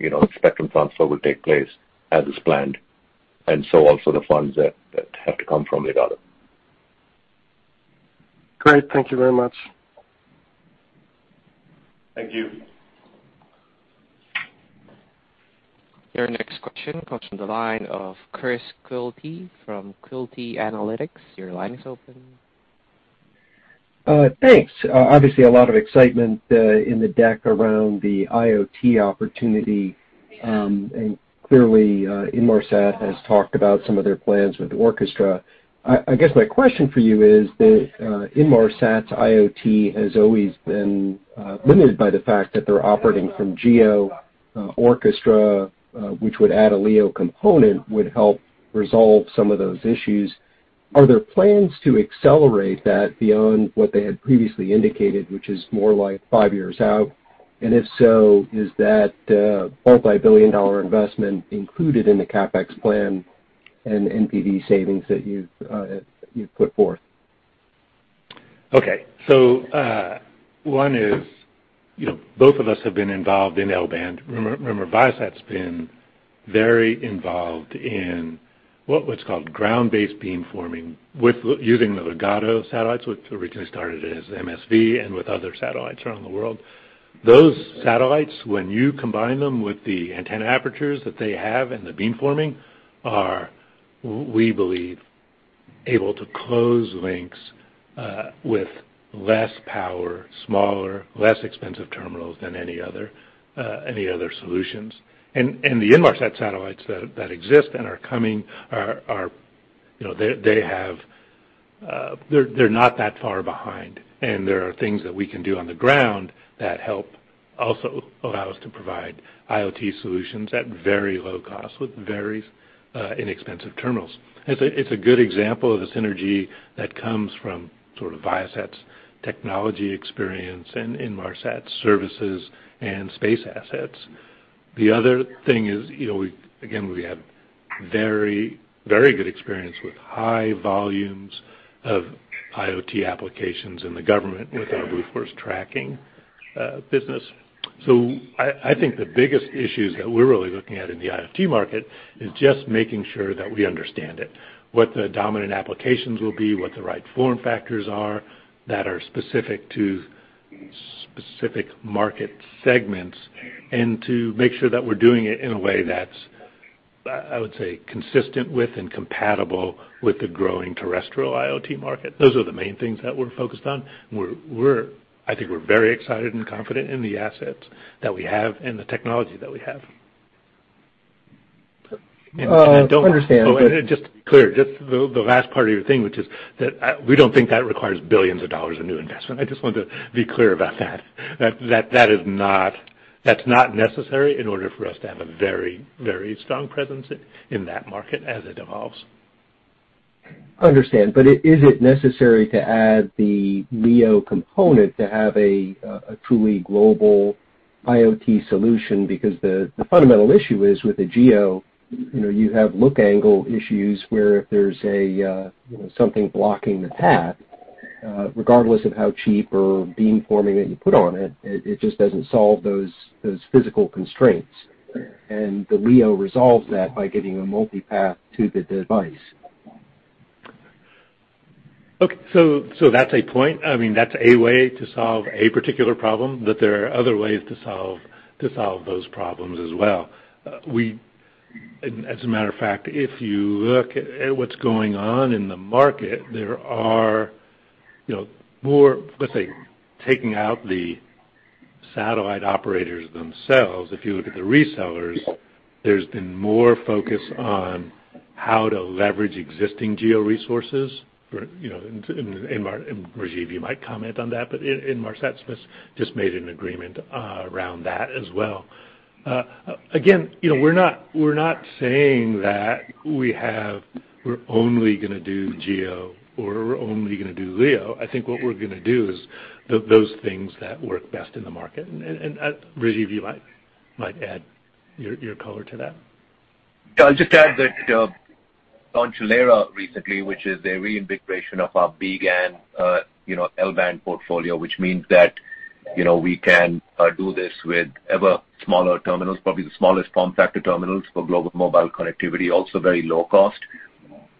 You know, spectrum transfer will take place as is planned, and so also the funds that have to come from Ligado. Great. Thank you very much. Thank you. Your next question comes from the line of Chris Quilty from Quilty Analytics. Your line is open. Thanks. Obviously, a lot of excitement in the deck around the IoT opportunity. Clearly, Inmarsat has talked about some of their plans with ORCHESTRA. I guess my question for you is that Inmarsat's IoT has always been limited by the fact that they're operating from GEO. ORCHESTRA, which would add a LEO component, would help resolve some of those issues. Are there plans to accelerate that beyond what they had previously indicated, which is more like five years out? And if so, is that multi-billion-dollar investment included in the CapEx plan and NPV savings that you've put forth? Okay. One is, you know, both of us have been involved in L-band. Remember, Viasat's been very involved in what was called ground-based beamforming using the Ligado satellites, which originally started as MSV and with other satellites around the world. Those satellites, when you combine them with the antenna apertures that they have and the beamforming are, we believe, able to close links with less power, smaller, less expensive terminals than any other solutions. The Inmarsat satellites that exist and are coming are, you know, they have. They're not that far behind, and there are things that we can do on the ground that help also allow us to provide IoT solutions at very low cost with very inexpensive terminals. It's a good example of the synergy that comes from sort of Viasat's technology experience and Inmarsat's services and space assets. The other thing is, you know, we have very, very good experience with high volumes of IoT applications in the government with our Blue Force Tracking business. So I think the biggest issues that we're really looking at in the IoT market is just making sure that we understand it. What the dominant applications will be, what the right form factors are that are specific to specific market segments, and to make sure that we're doing it in a way that's, I would say, consistent with and compatible with the growing terrestrial IoT market. Those are the main things that we're focused on. I think we're very excited and confident in the assets that we have and the technology that we have. Understand. Just to be clear, just the last part of your thing, which is that we don't think that requires billions of dollars of new investment. I just wanted to be clear about that. That is not, that's not necessary in order for us to have a very, very strong presence in that market as it evolves. Understand. Is it necessary to add the LEO component to have a truly global IoT solution? Because the fundamental issue is with the GEO, you know, you have look angle issues where if there's something blocking the path, regardless of how cheap or beamforming that you put on it just doesn't solve those physical constraints. The LEO resolves that by giving a multi-path to the device. Okay. That's a point. I mean, that's a way to solve a particular problem, but there are other ways to solve those problems as well. As a matter of fact, if you look at what's going on in the market, there are, you know, more, let's say, taking out the satellite operators themselves. If you look at the resellers, there's been more focus on how to leverage existing GEO resources for, you know, and Rajeev, you might comment on that, but Inmarsat just made an agreement around that as well. Again, you know, we're not saying that we're only gonna do GEO or we're only gonna do LEO. I think what we're gonna do is those things that work best in the market. Rajeev, you might add your color to that. I'll just add that, on ELERA recently, which is a reinvigoration of our BGAN, you know, L-band portfolio, which means that, you know, we can do this with ever smaller terminals, probably the smallest form factor terminals for global mobile connectivity, also very low cost.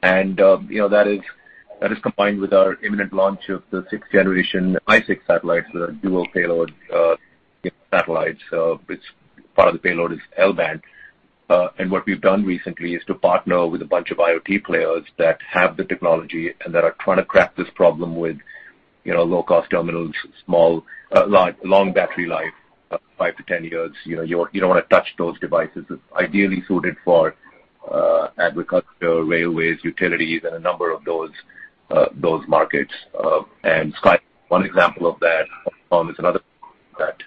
That is combined with our imminent launch of the sixth generation I-6 satellites, the dual payload satellites. It's part of the payload is L-band. What we've done recently is to partner with a bunch of IoT players that have the technology and that are trying to crack this problem with, you know, low-cost terminals, small, long battery life, 5-10 years. You know, you don't wanna touch those devices. It's ideally suited for agriculture, railways, utilities, and a number of those markets. Skylo, one example of that, is another that.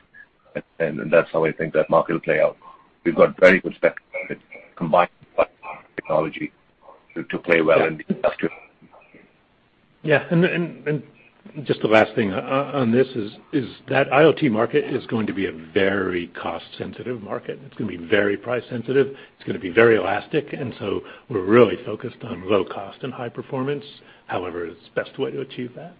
That's how I think that market will play out. We've got very good spectrum combined technology to play well in the industry. Just the last thing on this is that IoT market is going to be a very cost sensitive market. It's gonna be very price sensitive. It's gonna be very elastic. We're really focused on low cost and high performance, however is the best way to achieve that.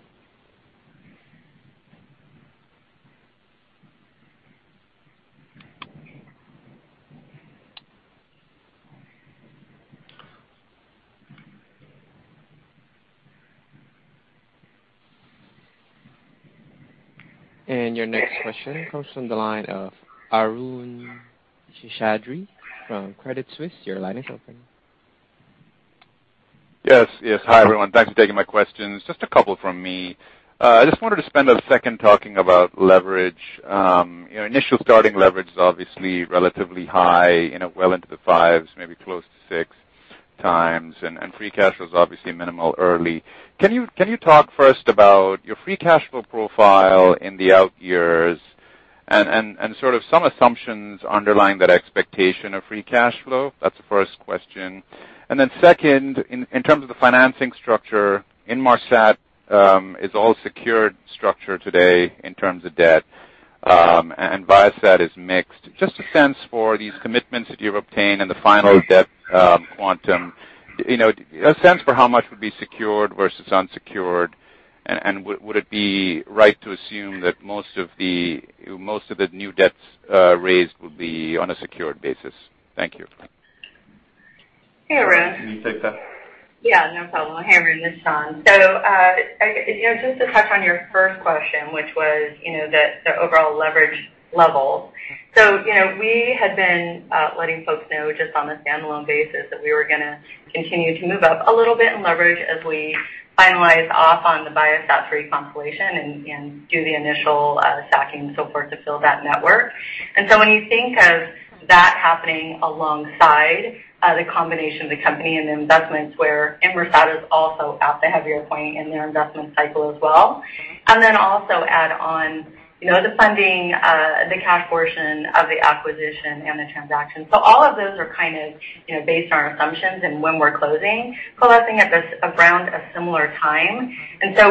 Your next question comes from the line of Arun Seshadri from Credit Suisse. Your line is open. Yes, yes. Hi, everyone. Thanks for taking my questions. Just a couple from me. I just wanted to spend a second talking about leverage. Your initial starting leverage is obviously relatively high, you know, well into the fives, maybe close to 6x, and free cash was obviously minimal early. Can you talk first about your free cash flow profile in the out years and sort of some assumptions underlying that expectation of free cash flow? That's the first question. Second, in terms of the financing structure, Inmarsat is all secured structure today in terms of debt, and Viasat is mixed. Just a sense for these commitments that you've obtained and the final debt quantum. You know, a sense for how much would be secured versus unsecured. Would it be right to assume that most of the new debts raised would be on a secured basis? Thank you. Hey, Arun. Can you take that? Yeah, no problem. Hey, Arun. This is Shawn. You know, just to touch on your first question, which was, you know, the overall leverage level. You know, we had been letting folks know just on a standalone basis that we were gonna continue to move up a little bit in leverage as we finalize off on the Viasat reconsolidation and do the initial stacking and so forth to fill that network. When you think of that happening alongside the combination of the company and the investments where Inmarsat is also at the heavier point in their investment cycle as well, and then also add on, you know, the funding the cash portion of the acquisition and the transaction. All of those are kind of based on our assumptions and when we're closing, coalescing around a similar time.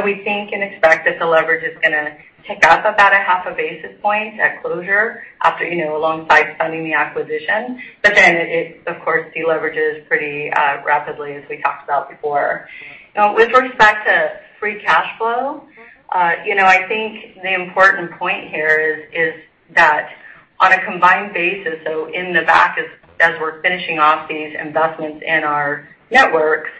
We think and expect that the leverage is gonna tick up about half a basis point at closure after, alongside funding the acquisition. Then it, of course, deleverages pretty rapidly, as we talked about before. Now, with respect to free cash flow, I think the important point here is that on a combined basis, so in the back as we're finishing off these investments in our networks,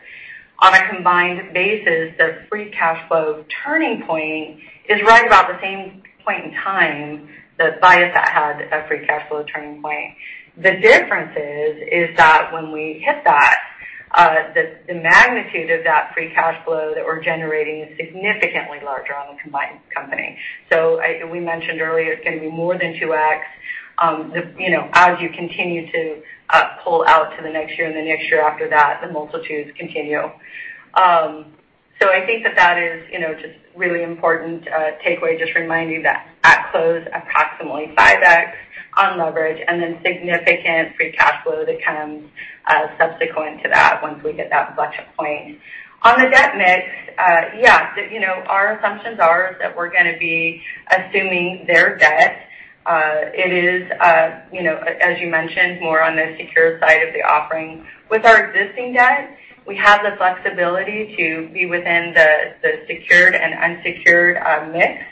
on a combined basis, the free cash flow turning point is right about the same point in time that Viasat had a free cash flow turning point. The difference is that when we hit that, the magnitude of that free cash flow that we're generating is significantly larger on the combined company. We mentioned earlier, it's gonna be more than 2x. You know, as you continue to pull out to the next year and the next year after that, the multiples continue. I think that is you know, just really important takeaway, just reminding that at close, approximately 5x on leverage and then significant free cash flow that comes subsequent to that once we hit that budget point. On the debt mix, yes. You know, our assumptions are that we're gonna be assuming their debt. It is you know, as you mentioned, more on the secure side of the offering. With our existing debt, we have the flexibility to be within the secured and unsecured mix.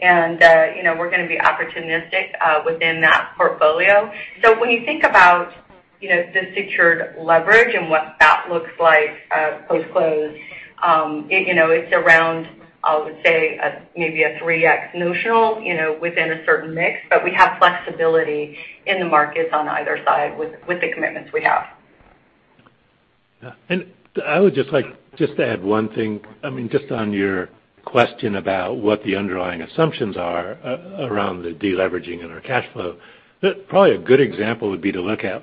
You know, we're gonna be opportunistic within that portfolio. When you think about, you know, the secured leverage and what that looks like post-close, you know, it's around, I would say, maybe a 3x notional, you know, within a certain mix, but we have flexibility in the markets on either side with the commitments we have. Yeah. I would just like to add one thing. I mean, just on your question about what the underlying assumptions are around the deleveraging in our cash flow. Probably a good example would be to look at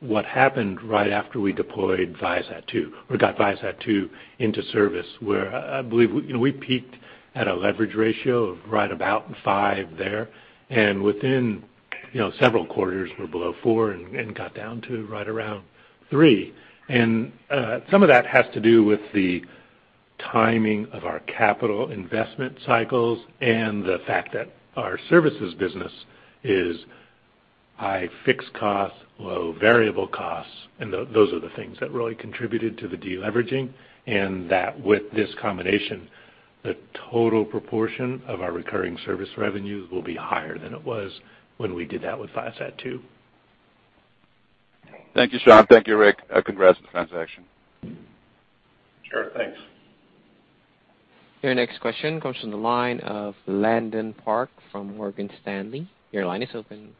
what happened right after we deployed ViaSat-2 or got ViaSat-2 into service, where I believe we, you know, peaked at a leverage ratio of right about five there. Within, you know, several quarters, we're below four and got down to right around three. Some of that has to do with the timing of our capital investment cycles and the fact that our services business is high fixed costs, low variable costs, and those are the things that really contributed to the deleveraging. That with this combination, the total proportion of our recurring service revenues will be higher than it was when we did that with ViaSat-2. Thank you, Shawn. Thank you, Rick. Congrats on the transaction. Sure. Thanks. Your next question comes from the line of Landon Park from Morgan Stanley. Your line is open.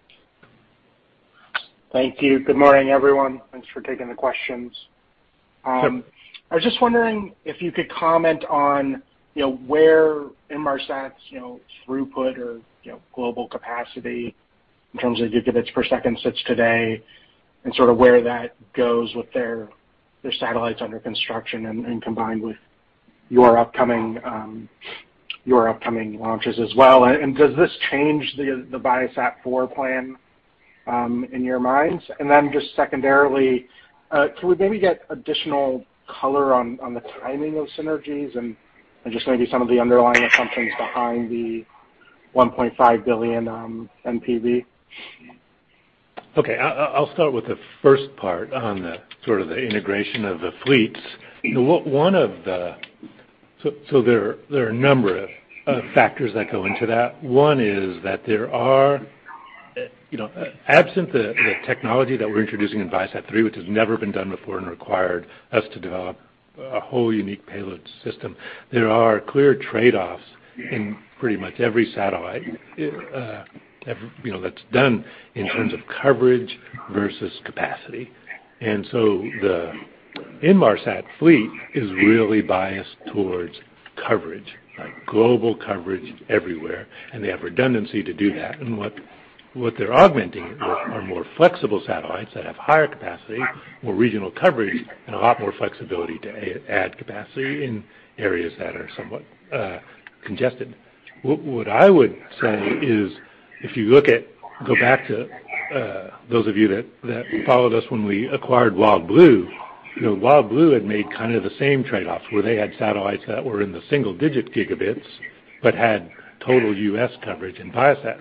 Thank you. Good morning, everyone. Thanks for taking the questions. I was just wondering if you could comment on, you know, where Inmarsat's, you know, throughput or, you know, global capacity in terms of gigabits per second sits today and sort of where that goes with their satellites under construction and combined with your upcoming launches as well. Does this change the ViaSat-4 plan in your minds? Just secondarily, can we maybe get additional color on the timing of synergies and just maybe some of the underlying assumptions behind the $1.5 billion NPV? Okay. I'll start with the first part on the sort of the integration of the fleets. One of the So there are a number of factors that go into that. One is that there are. You know, absent the technology that we're introducing in ViaSat-3, which has never been done before and required us to develop a whole unique payload system, there are clear trade-offs in pretty much every satellite, you know, that's done in terms of coverage versus capacity. The Inmarsat fleet is really biased towards coverage, like global coverage everywhere, and they have redundancy to do that. What they're augmenting are more flexible satellites that have higher capacity, more regional coverage, and a lot more flexibility to add capacity in areas that are somewhat congested. I would say, go back to those of you that followed us when we acquired WildBlue. You know, WildBlue had made kind of the same trade-offs where they had satellites that were in the single-digit gigabits but had total U.S. coverage, and Viasat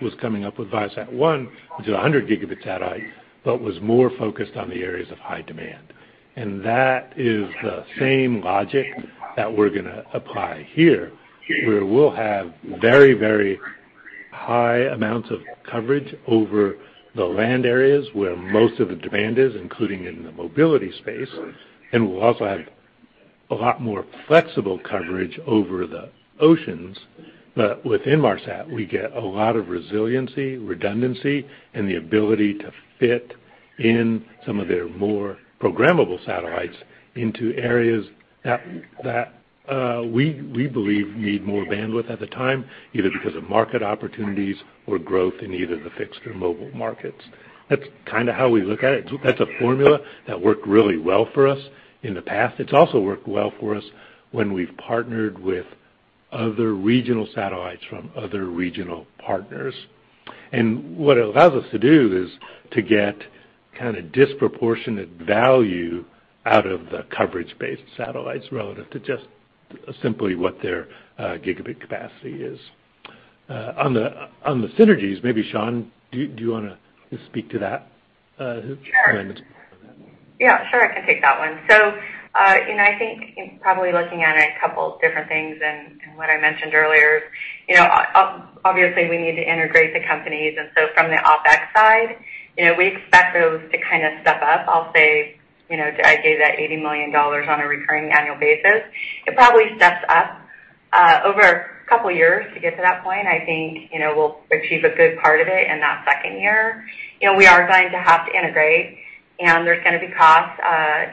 was coming up with ViaSat-1, which is a 100 gigabit satellite, but was more focused on the areas of high demand. That is the same logic that we're gonna apply here, where we'll have very high amounts of coverage over the land areas where most of the demand is, including in the mobility space. We'll also have a lot more flexible coverage over the oceans. With Inmarsat, we get a lot of resiliency, redundancy, and the ability to fit in some of their more programmable satellites into areas that we believe need more bandwidth at the time, either because of market opportunities or growth in either the fixed or mobile markets. That's kind of how we look at it. That's a formula that worked really well for us in the past. It's also worked well for us when we've partnered with other regional satellites from other regional partners. What it allows us to do is to get kind of disproportionate value out of the coverage-based satellites relative to just simply what their gigabit capacity is. On the synergies, maybe Sean, do you wanna speak to that? Do you mind? Sure. Yeah, sure, I can take that one. You know, I think in probably looking at a couple different things and what I mentioned earlier, you know, obviously, we need to integrate the companies. From the OpEx side, you know, we expect those to kind of step up. I'll say, you know, I gave that $80 million on a recurring annual basis. It probably steps up over a couple of years to get to that point. I think, you know, we'll achieve a good part of it in that second year. You know, we are going to have to integrate, and there's gonna be costs,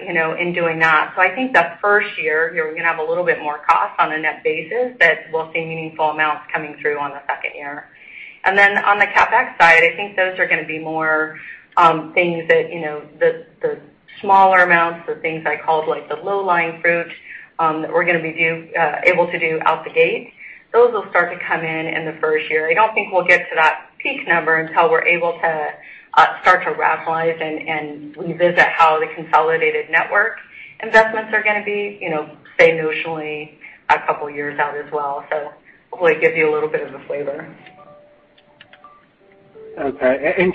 you know, in doing that. I think the first year, you know, we're gonna have a little bit more cost on a net basis, but we'll see meaningful amounts coming through on the second year. On the CapEx side, I think those are gonna be more things that, you know, the smaller amounts, the things I called like the low-lying fruit that we're gonna be able to do out the gate. Those will start to come in in the first year. I don't think we'll get to that peak number until we're able to start to rationalize and revisit how the consolidated network investments are gonna be, you know, say notionally a couple of years out as well. Hopefully gives you a little bit of a flavor.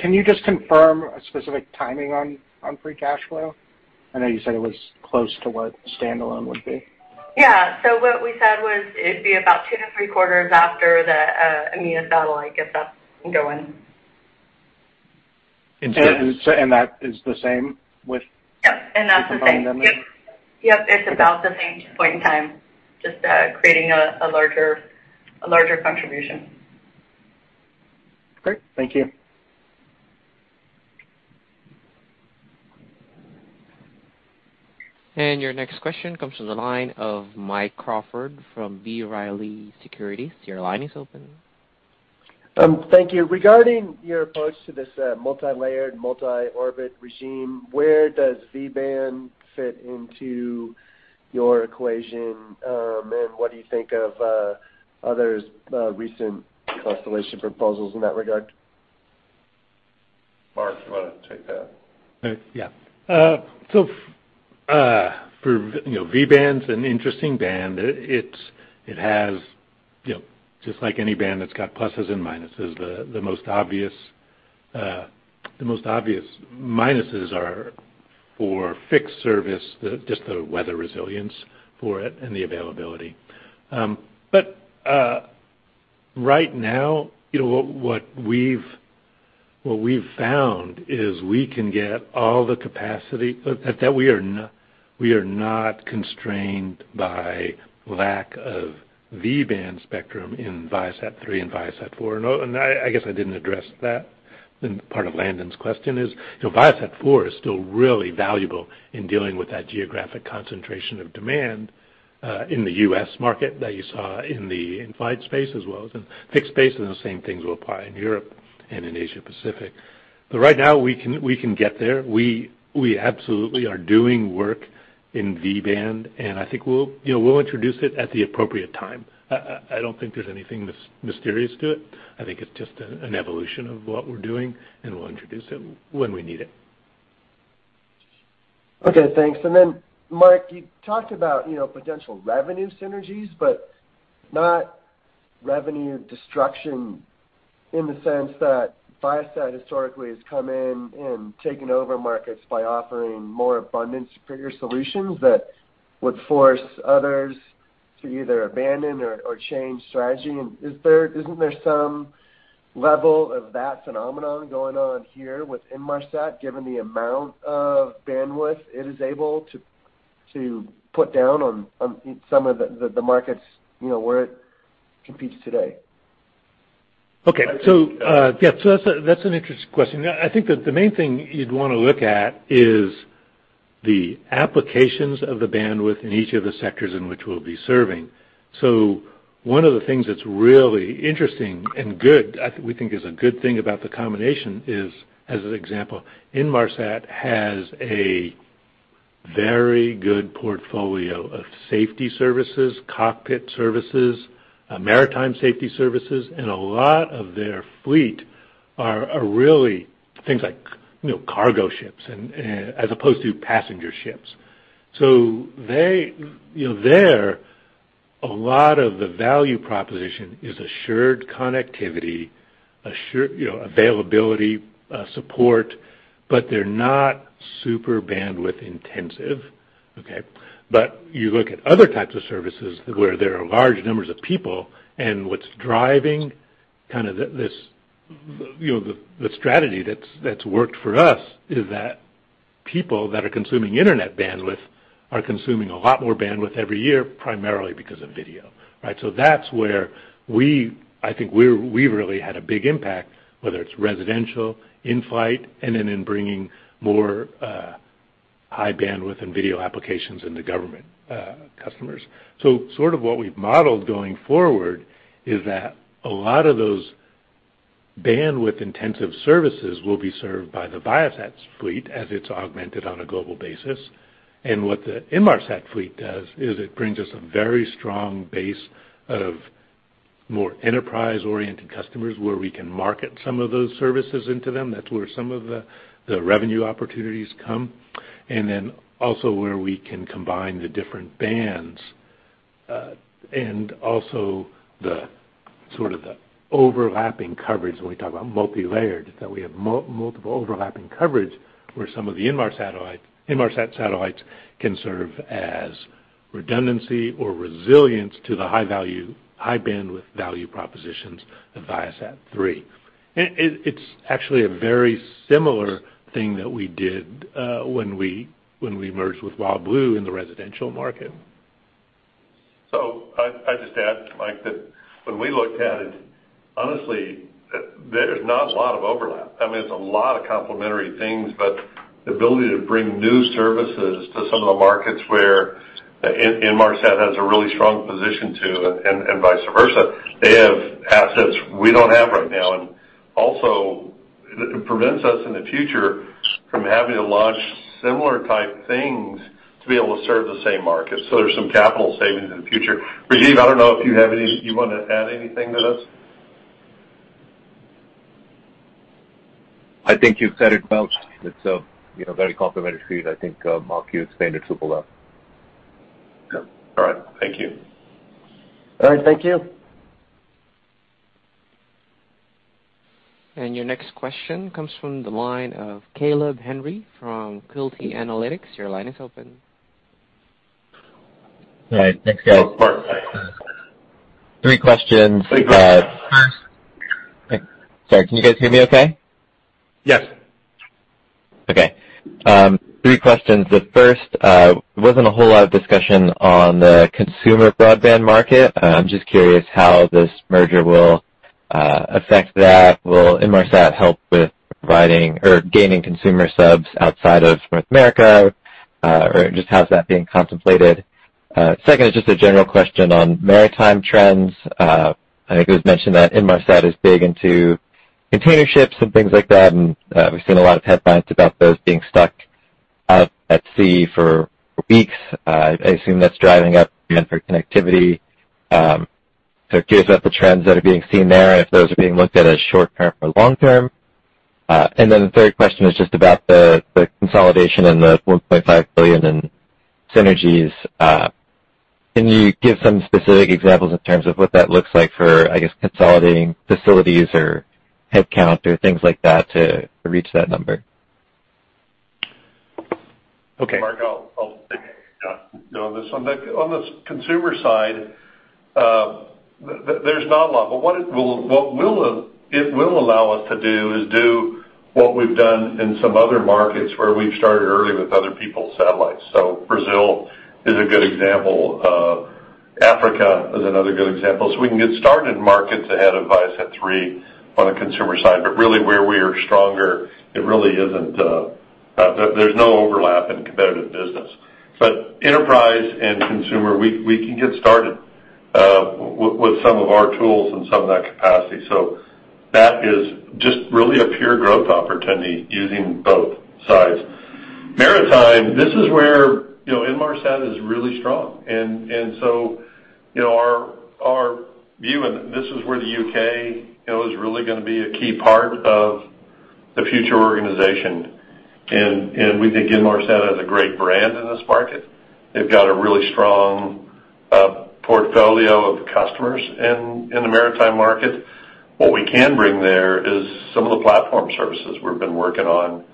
Can you just confirm a specific timing on free cash flow? I know you said it was close to what standalone would be. Yeah. What we said was it'd be about 2-3 quarters after the EMEA satellite gets up and going. In terms- That is the same with- Yep. That's the same. Combining them. Yep. It's about the same point in time, just creating a larger contribution. Great. Thank you. Your next question comes from the line of Mike Crawford from B. Riley Securities. Your line is open. Thank you. Regarding your approach to this multilayered, multi-orbit regime, where does V-band fit into your equation? What do you think of others' recent constellation proposals in that regard? Mark, do you wanna take that? Okay. Yeah. You know, V-band's an interesting band. It has, you know, just like any band that's got pluses and minuses. The most obvious minuses are for fixed service, just the weather resilience for it and the availability. Right now, you know, what we've found is we can get all the capacity. We are not constrained by lack of V-band spectrum in ViaSat-3 and ViaSat-4. I guess I didn't address that. Part of Landon's question is, you know, ViaSat-4 is still really valuable in dealing with that geographic concentration of demand in the U.S. market that you saw in the flight space as well as in fixed space. The same things will apply in Europe and in Asia Pacific. Right now we can get there. We absolutely are doing work in V-band, and I think we'll, you know, we'll introduce it at the appropriate time. I don't think there's anything mysterious to it. I think it's just an evolution of what we're doing, and we'll introduce it when we need it. Okay, thanks. Mark, you talked about, you know, potential revenue synergies but not revenue destruction in the sense that Viasat historically has come in and taken over markets by offering more abundance for your solutions that would force others to either abandon or change strategy. Isn't there some level of that phenomenon going on here with Inmarsat, given the amount of bandwidth it is able to put down on some of the markets, you know, where it competes today? That's an interesting question. I think that the main thing you'd wanna look at is the applications of the bandwidth in each of the sectors in which we'll be serving. One of the things that's really interesting and good, we think is a good thing about the combination is, as an example, Inmarsat has a very good portfolio of safety services, cockpit services, maritime safety services, and a lot of their fleet are really things like, you know, cargo ships and, as opposed to passenger ships. They, you know, there, a lot of the value proposition is assured connectivity, assured, you know, availability, support, but they're not super bandwidth intensive. You look at other types of services where there are large numbers of people, and what's driving kinda the strategy that's worked for us is that people that are consuming internet bandwidth are consuming a lot more bandwidth every year, primarily because of video, right? That's where I think we've really had a big impact, whether it's residential, in-flight, and then in bringing more high bandwidth and video applications into government customers. Sort of what we've modeled going forward is that a lot of those bandwidth intensive services will be served by the Viasat's fleet as it's augmented on a global basis. What the Inmarsat fleet does is it brings us a very strong base of more enterprise-oriented customers where we can market some of those services into them. That's where some of the revenue opportunities come, and then also where we can combine the different bands, and also the sort of the overlapping coverage when we talk about multilayered, that we have multiple overlapping coverage where some of the Inmarsat satellites can serve as redundancy or resilience to the high value, high bandwidth value propositions of ViaSat-3. It's actually a very similar thing that we did, when we merged with WildBlue in the residential market. I'd just add, Mike, that when we looked at it, honestly, there is not a lot of overlap. I mean, it's a lot of complementary things, but the ability to bring new services to some of the markets where Inmarsat has a really strong position, too, and vice versa. They have assets we don't have right now. Also it prevents us in the future from having to launch similar type things to be able to serve the same market. There's some capital savings in the future. Rajeev, I don't know if you want to add anything to this. I think you said it well, Steve. It's a, you know, very complementary suite. I think, Mark, you explained it super well. Yeah. All right. Thank you. All right. Thank you. Your next question comes from the line of Caleb Henry from Quilty Analytics. Your line is open. All right. Thanks, guys. Oh, sorry. Three questions. Three questions. Sorry, can you guys hear me okay? Yes. Okay. Three questions. The first wasn't a whole lot of discussion on the consumer broadband market. I'm just curious how this merger will affect that. Will Inmarsat help with providing or gaining consumer subs outside of North America, or just how's that being contemplated? Second is just a general question on maritime trends. I think it was mentioned that Inmarsat is big into container ships and things like that, and we've seen a lot of headlines about those being stuck out at sea for weeks. I assume that's driving up demand for connectivity. So curious about the trends that are being seen there and if those are being looked at as short-term or long-term. And then the third question is just about the consolidation and the $1.5 billion in synergies. Can you give some specific examples in terms of what that looks like for, I guess, consolidating facilities or headcount or things like that to reach that number? Okay. Mark, I'll take on this one. On the consumer side, there's not a lot. What it will allow us to do is do what we've done in some other markets where we've started early with other people's satellites. Brazil is a good example. Africa is another good example. We can get started in markets ahead of ViaSat-3 on the consumer side, but really where we are stronger, there's no overlap in competitive business. Enterprise and consumer, we can get started with some of our tools and some of that capacity. That is just really a pure growth opportunity using both sides. Maritime, this is where, you know, Inmarsat is really strong. Our view, and this is where the U.K., you know, is really gonna be a key part of the future organization. We think Inmarsat has a great brand in this market. They've got a really strong portfolio of customers in the maritime market. What we can bring there is some of the platform services we've been working on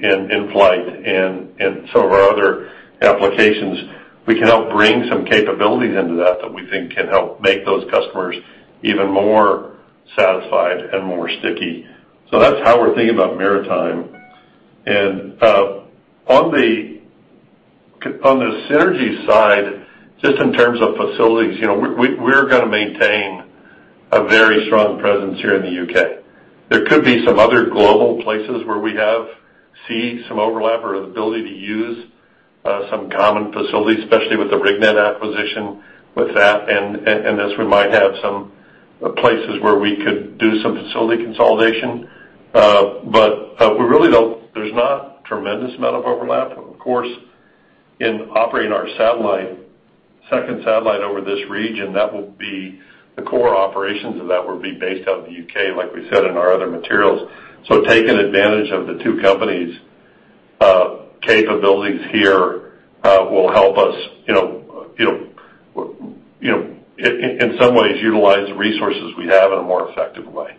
in flight and some of our other applications. We can help bring some capabilities into that that we think can help make those customers even more satisfied and more sticky. That's how we're thinking about maritime. On the synergy side, just in terms of facilities, you know, we're gonna maintain a very strong presence here in the U.K. There could be some other global places where we have some overlap or the ability to use some common facilities, especially with the RigNet acquisition with that. As we might have some places where we could do some facility consolidation. We really don't. There's not tremendous amount of overlap. Of course, in operating our satellite, second satellite over this region, that will be the core operations of that will be based out of the U.K., like we said in our other materials. Taking advantage of the two companies' capabilities here will help us, you know, in some ways utilize the resources we have in a more effective way.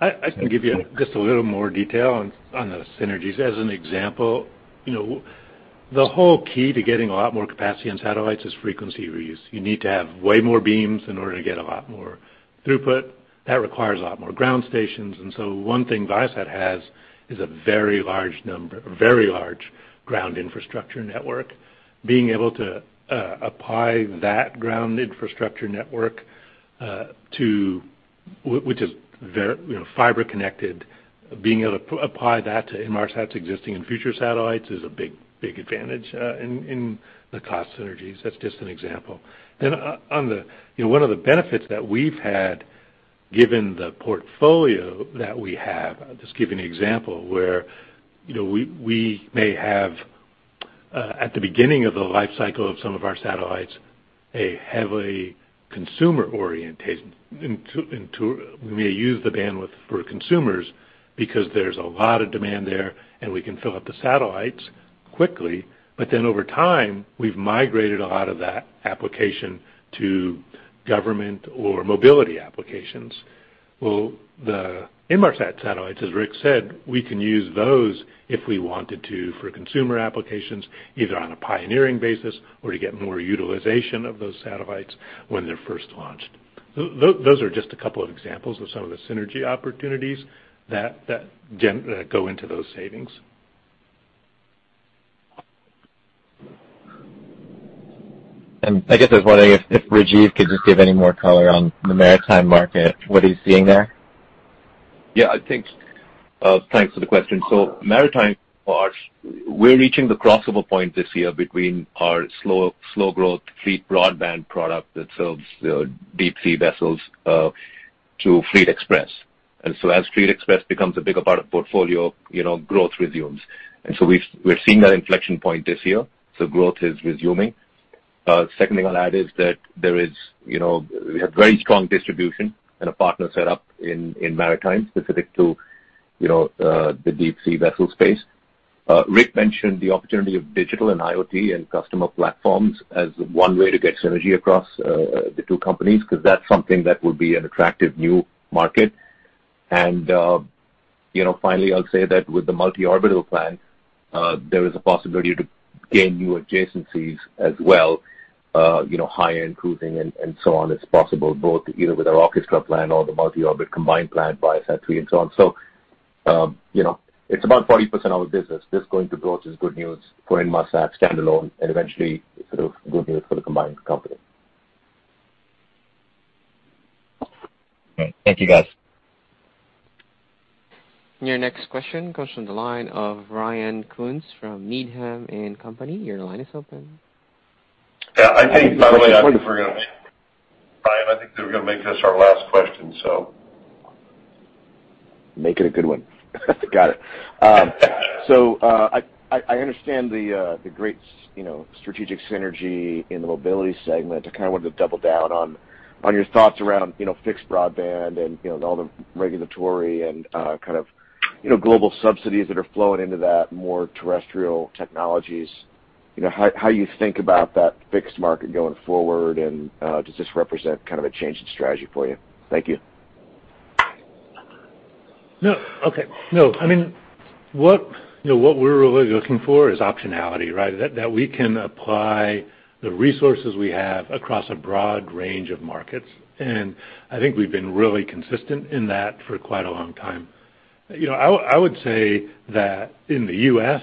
Yeah. I can give you just a little more detail on the synergies. As an example, you know, the whole key to getting a lot more capacity in satellites is frequency reuse. You need to have way more beams in order to get a lot more throughput. That requires a lot more ground stations. One thing Viasat has is a very large ground infrastructure network. Being able to apply that ground infrastructure network, which is very, you know, fiber connected, to Inmarsat's existing and future satellites is a big advantage in the cost synergies. That's just an example. One of the benefits that we've had, given the portfolio that we have, I'll just give you an example where, you know, we may have at the beginning of the life cycle of some of our satellites, a heavily consumer orientation. We may use the bandwidth for consumers because there's a lot of demand there, and we can fill up the satellites quickly. Over time, we've migrated a lot of that application to government or mobility applications. Well, the Inmarsat satellites, as Rick said, we can use those if we wanted to for consumer applications, either on a pioneering basis or to get more utilization of those satellites when they're first launched. Those are just a couple of examples of some of the synergy opportunities that go into those savings. I guess I was wondering if Rajeev could just give any more color on the maritime market, what he's seeing there? Yeah, I think. Thanks for the question. Maritime part, we're reaching the crossover point this year between our slow growth FleetBroadband product that serves deep sea vessels to Fleet Xpress. As Fleet Xpress becomes a bigger part of portfolio, you know, growth resumes. We're seeing that inflection point this year. Growth is resuming. Second thing I'll add is that there is, you know, we have very strong distribution and a partner set up in maritime specific to, you know, the deep sea vessel space. Rick mentioned the opportunity of digital and IoT and customer platforms as one way to get synergy across the two companies because that's something that will be an attractive new market. You know, finally, I'll say that with the multi-orbital plan, there is a possibility to gain new adjacencies as well, you know, high-end cruising and so on. It's possible both, you know, with our ORCHESTRA plan or the multi-orbit combined plan, ViaSat-3 and so on. You know, it's about 40% of our business. This going to growth is good news for Inmarsat standalone and eventually sort of good news for the combined company. Great. Thank you, guys. Your next question comes from the line of Ryan Koontz from Needham & Company. Your line is open. Yeah, I think by the way, we're gonna, Ryan, I think they're gonna make this our last question, so. Make it a good one. Got it. I understand the great strategic synergy in the mobility segment. I kind of wanted to double down on your thoughts around fixed broadband and all the regulatory and kind of global subsidies that are flowing into that more terrestrial technologies. You know, how you think about that fixed market going forward, and does this represent kind of a change in strategy for you? Thank you. No. Okay. No. I mean, what we're really looking for is optionality, right? That we can apply the resources we have across a broad range of markets. I think we've been really consistent in that for quite a long time. I would say that in the U.S.,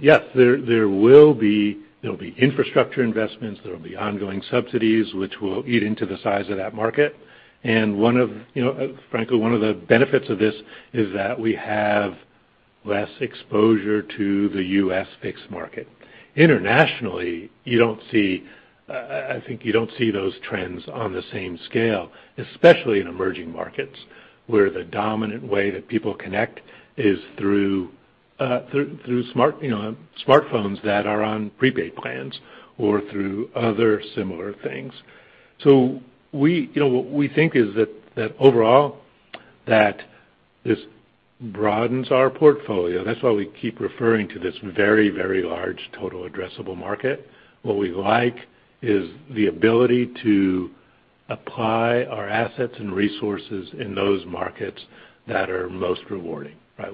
yes, there will be infrastructure investments. There will be ongoing subsidies, which will eat into the size of that market. One of the benefits of this is that we have less exposure to the U.S. fixed market. Internationally, I think you don't see those trends on the same scale, especially in emerging markets, where the dominant way that people connect is through smart, you know, smartphones that are on prepaid plans or through other similar things. We, you know, what we think is that overall, that this broadens our portfolio. That's why we keep referring to this very, very large total addressable market. What we like is the ability to apply our assets and resources in those markets that are most rewarding, right?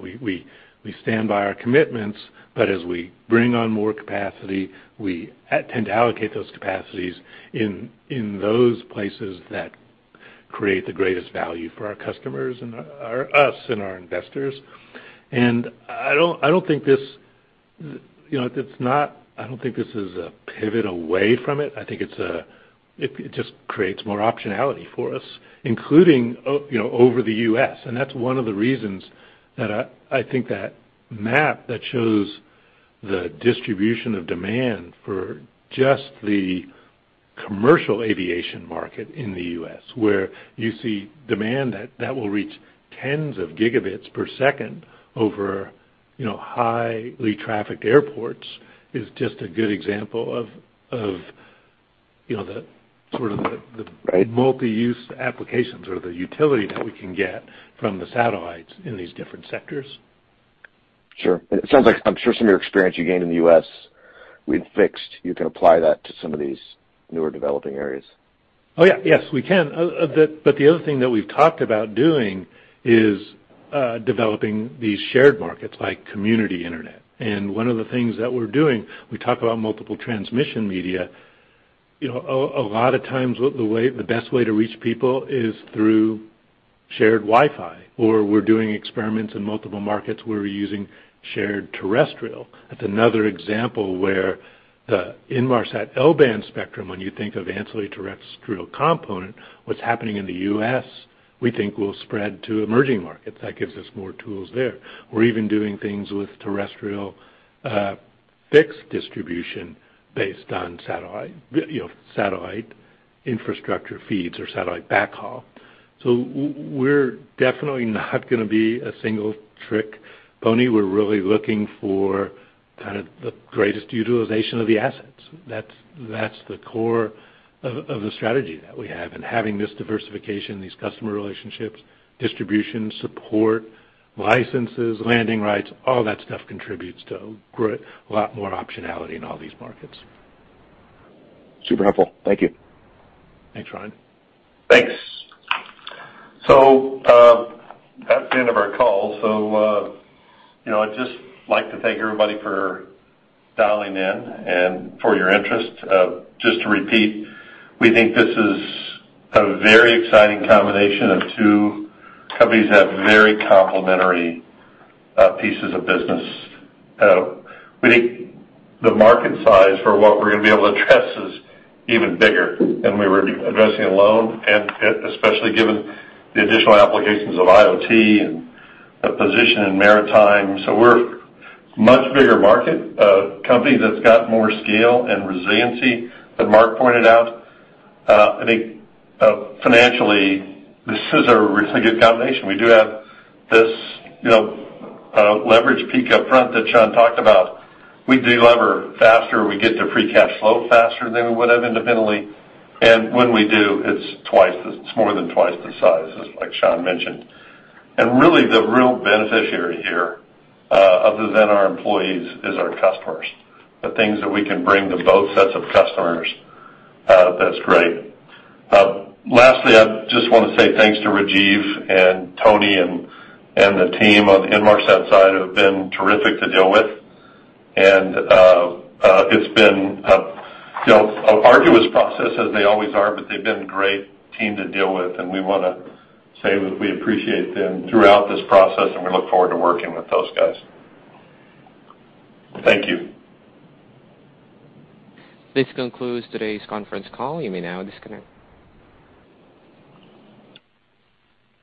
We stand by our commitments, but as we bring on more capacity, we tend to allocate those capacities in those places that create the greatest value for our customers and us and our investors. I don't think this, you know, is a pivot away from it. I think it just creates more optionality for us, including, you know, over the U.S. That's one of the reasons that I think that map that shows the distribution of demand for just the commercial aviation market in the U.S., where you see demand that will reach tens of gigabits per second over, you know, highly trafficked airports, is just a good example of, you know, the sort of. Right. Multi-use applications or the utility that we can get from the satellites in these different sectors. Sure. It sounds like, I'm sure some of your experience you gained in the U.S. with fixed, you can apply that to some of these newer developing areas. Oh, yeah. Yes, we can. But the other thing that we've talked about doing is developing these shared markets like Community Internet. One of the things that we're doing, we talk about multiple transmission media. You know, a lot of times, the way, the best way to reach people is through shared Wi-Fi, or we're doing experiments in multiple markets where we're using shared terrestrial. That's another example where the Inmarsat L-band spectrum, when you think of ancillary terrestrial component, what's happening in the U.S., we think will spread to emerging markets. That gives us more tools there. We're even doing things with terrestrial, fixed distribution based on satellite, you know, satellite infrastructure feeds or satellite backhaul. We're definitely not gonna be a single trick pony. We're really looking for kind of the greatest utilization of the assets. That's the core of the strategy that we have. Having this diversification, these customer relationships, distribution, support, licenses, landing rights, all that stuff contributes to a lot more optionality in all these markets. Super helpful. Thank you. Thanks, Ryan. Thanks. That's the end of our call. You know, I'd just like to thank everybody for dialing in and for your interest. Just to repeat, we think this is a very exciting combination of two companies that have very complementary pieces of business. We think the market size for what we're gonna be able to address is even bigger than we would be addressing alone, and especially given the additional applications of IoT and the position in maritime. We're much bigger market, a company that's got more scale and resiliency, as Mark pointed out. I think, financially, this is a really good combination. We do have this, you know, leverage peak up front that Shawn talked about. We delever faster, we get to free cash flow faster than we would have independently. When we do, it's more than twice the size, as like Sean mentioned. Really, the real beneficiary here, other than our employees, is our customers. The things that we can bring to both sets of customers, that's great. Lastly, I just wanna say thanks to Rajeev and Tony and the team on the Inmarsat side who have been terrific to deal with. It's been a, you know, arduous process, as they always are, but they've been a great team to deal with, and we wanna say we appreciate them throughout this process, and we look forward to working with those guys. Thank you. This concludes today's Conference Call. You may now disconnect.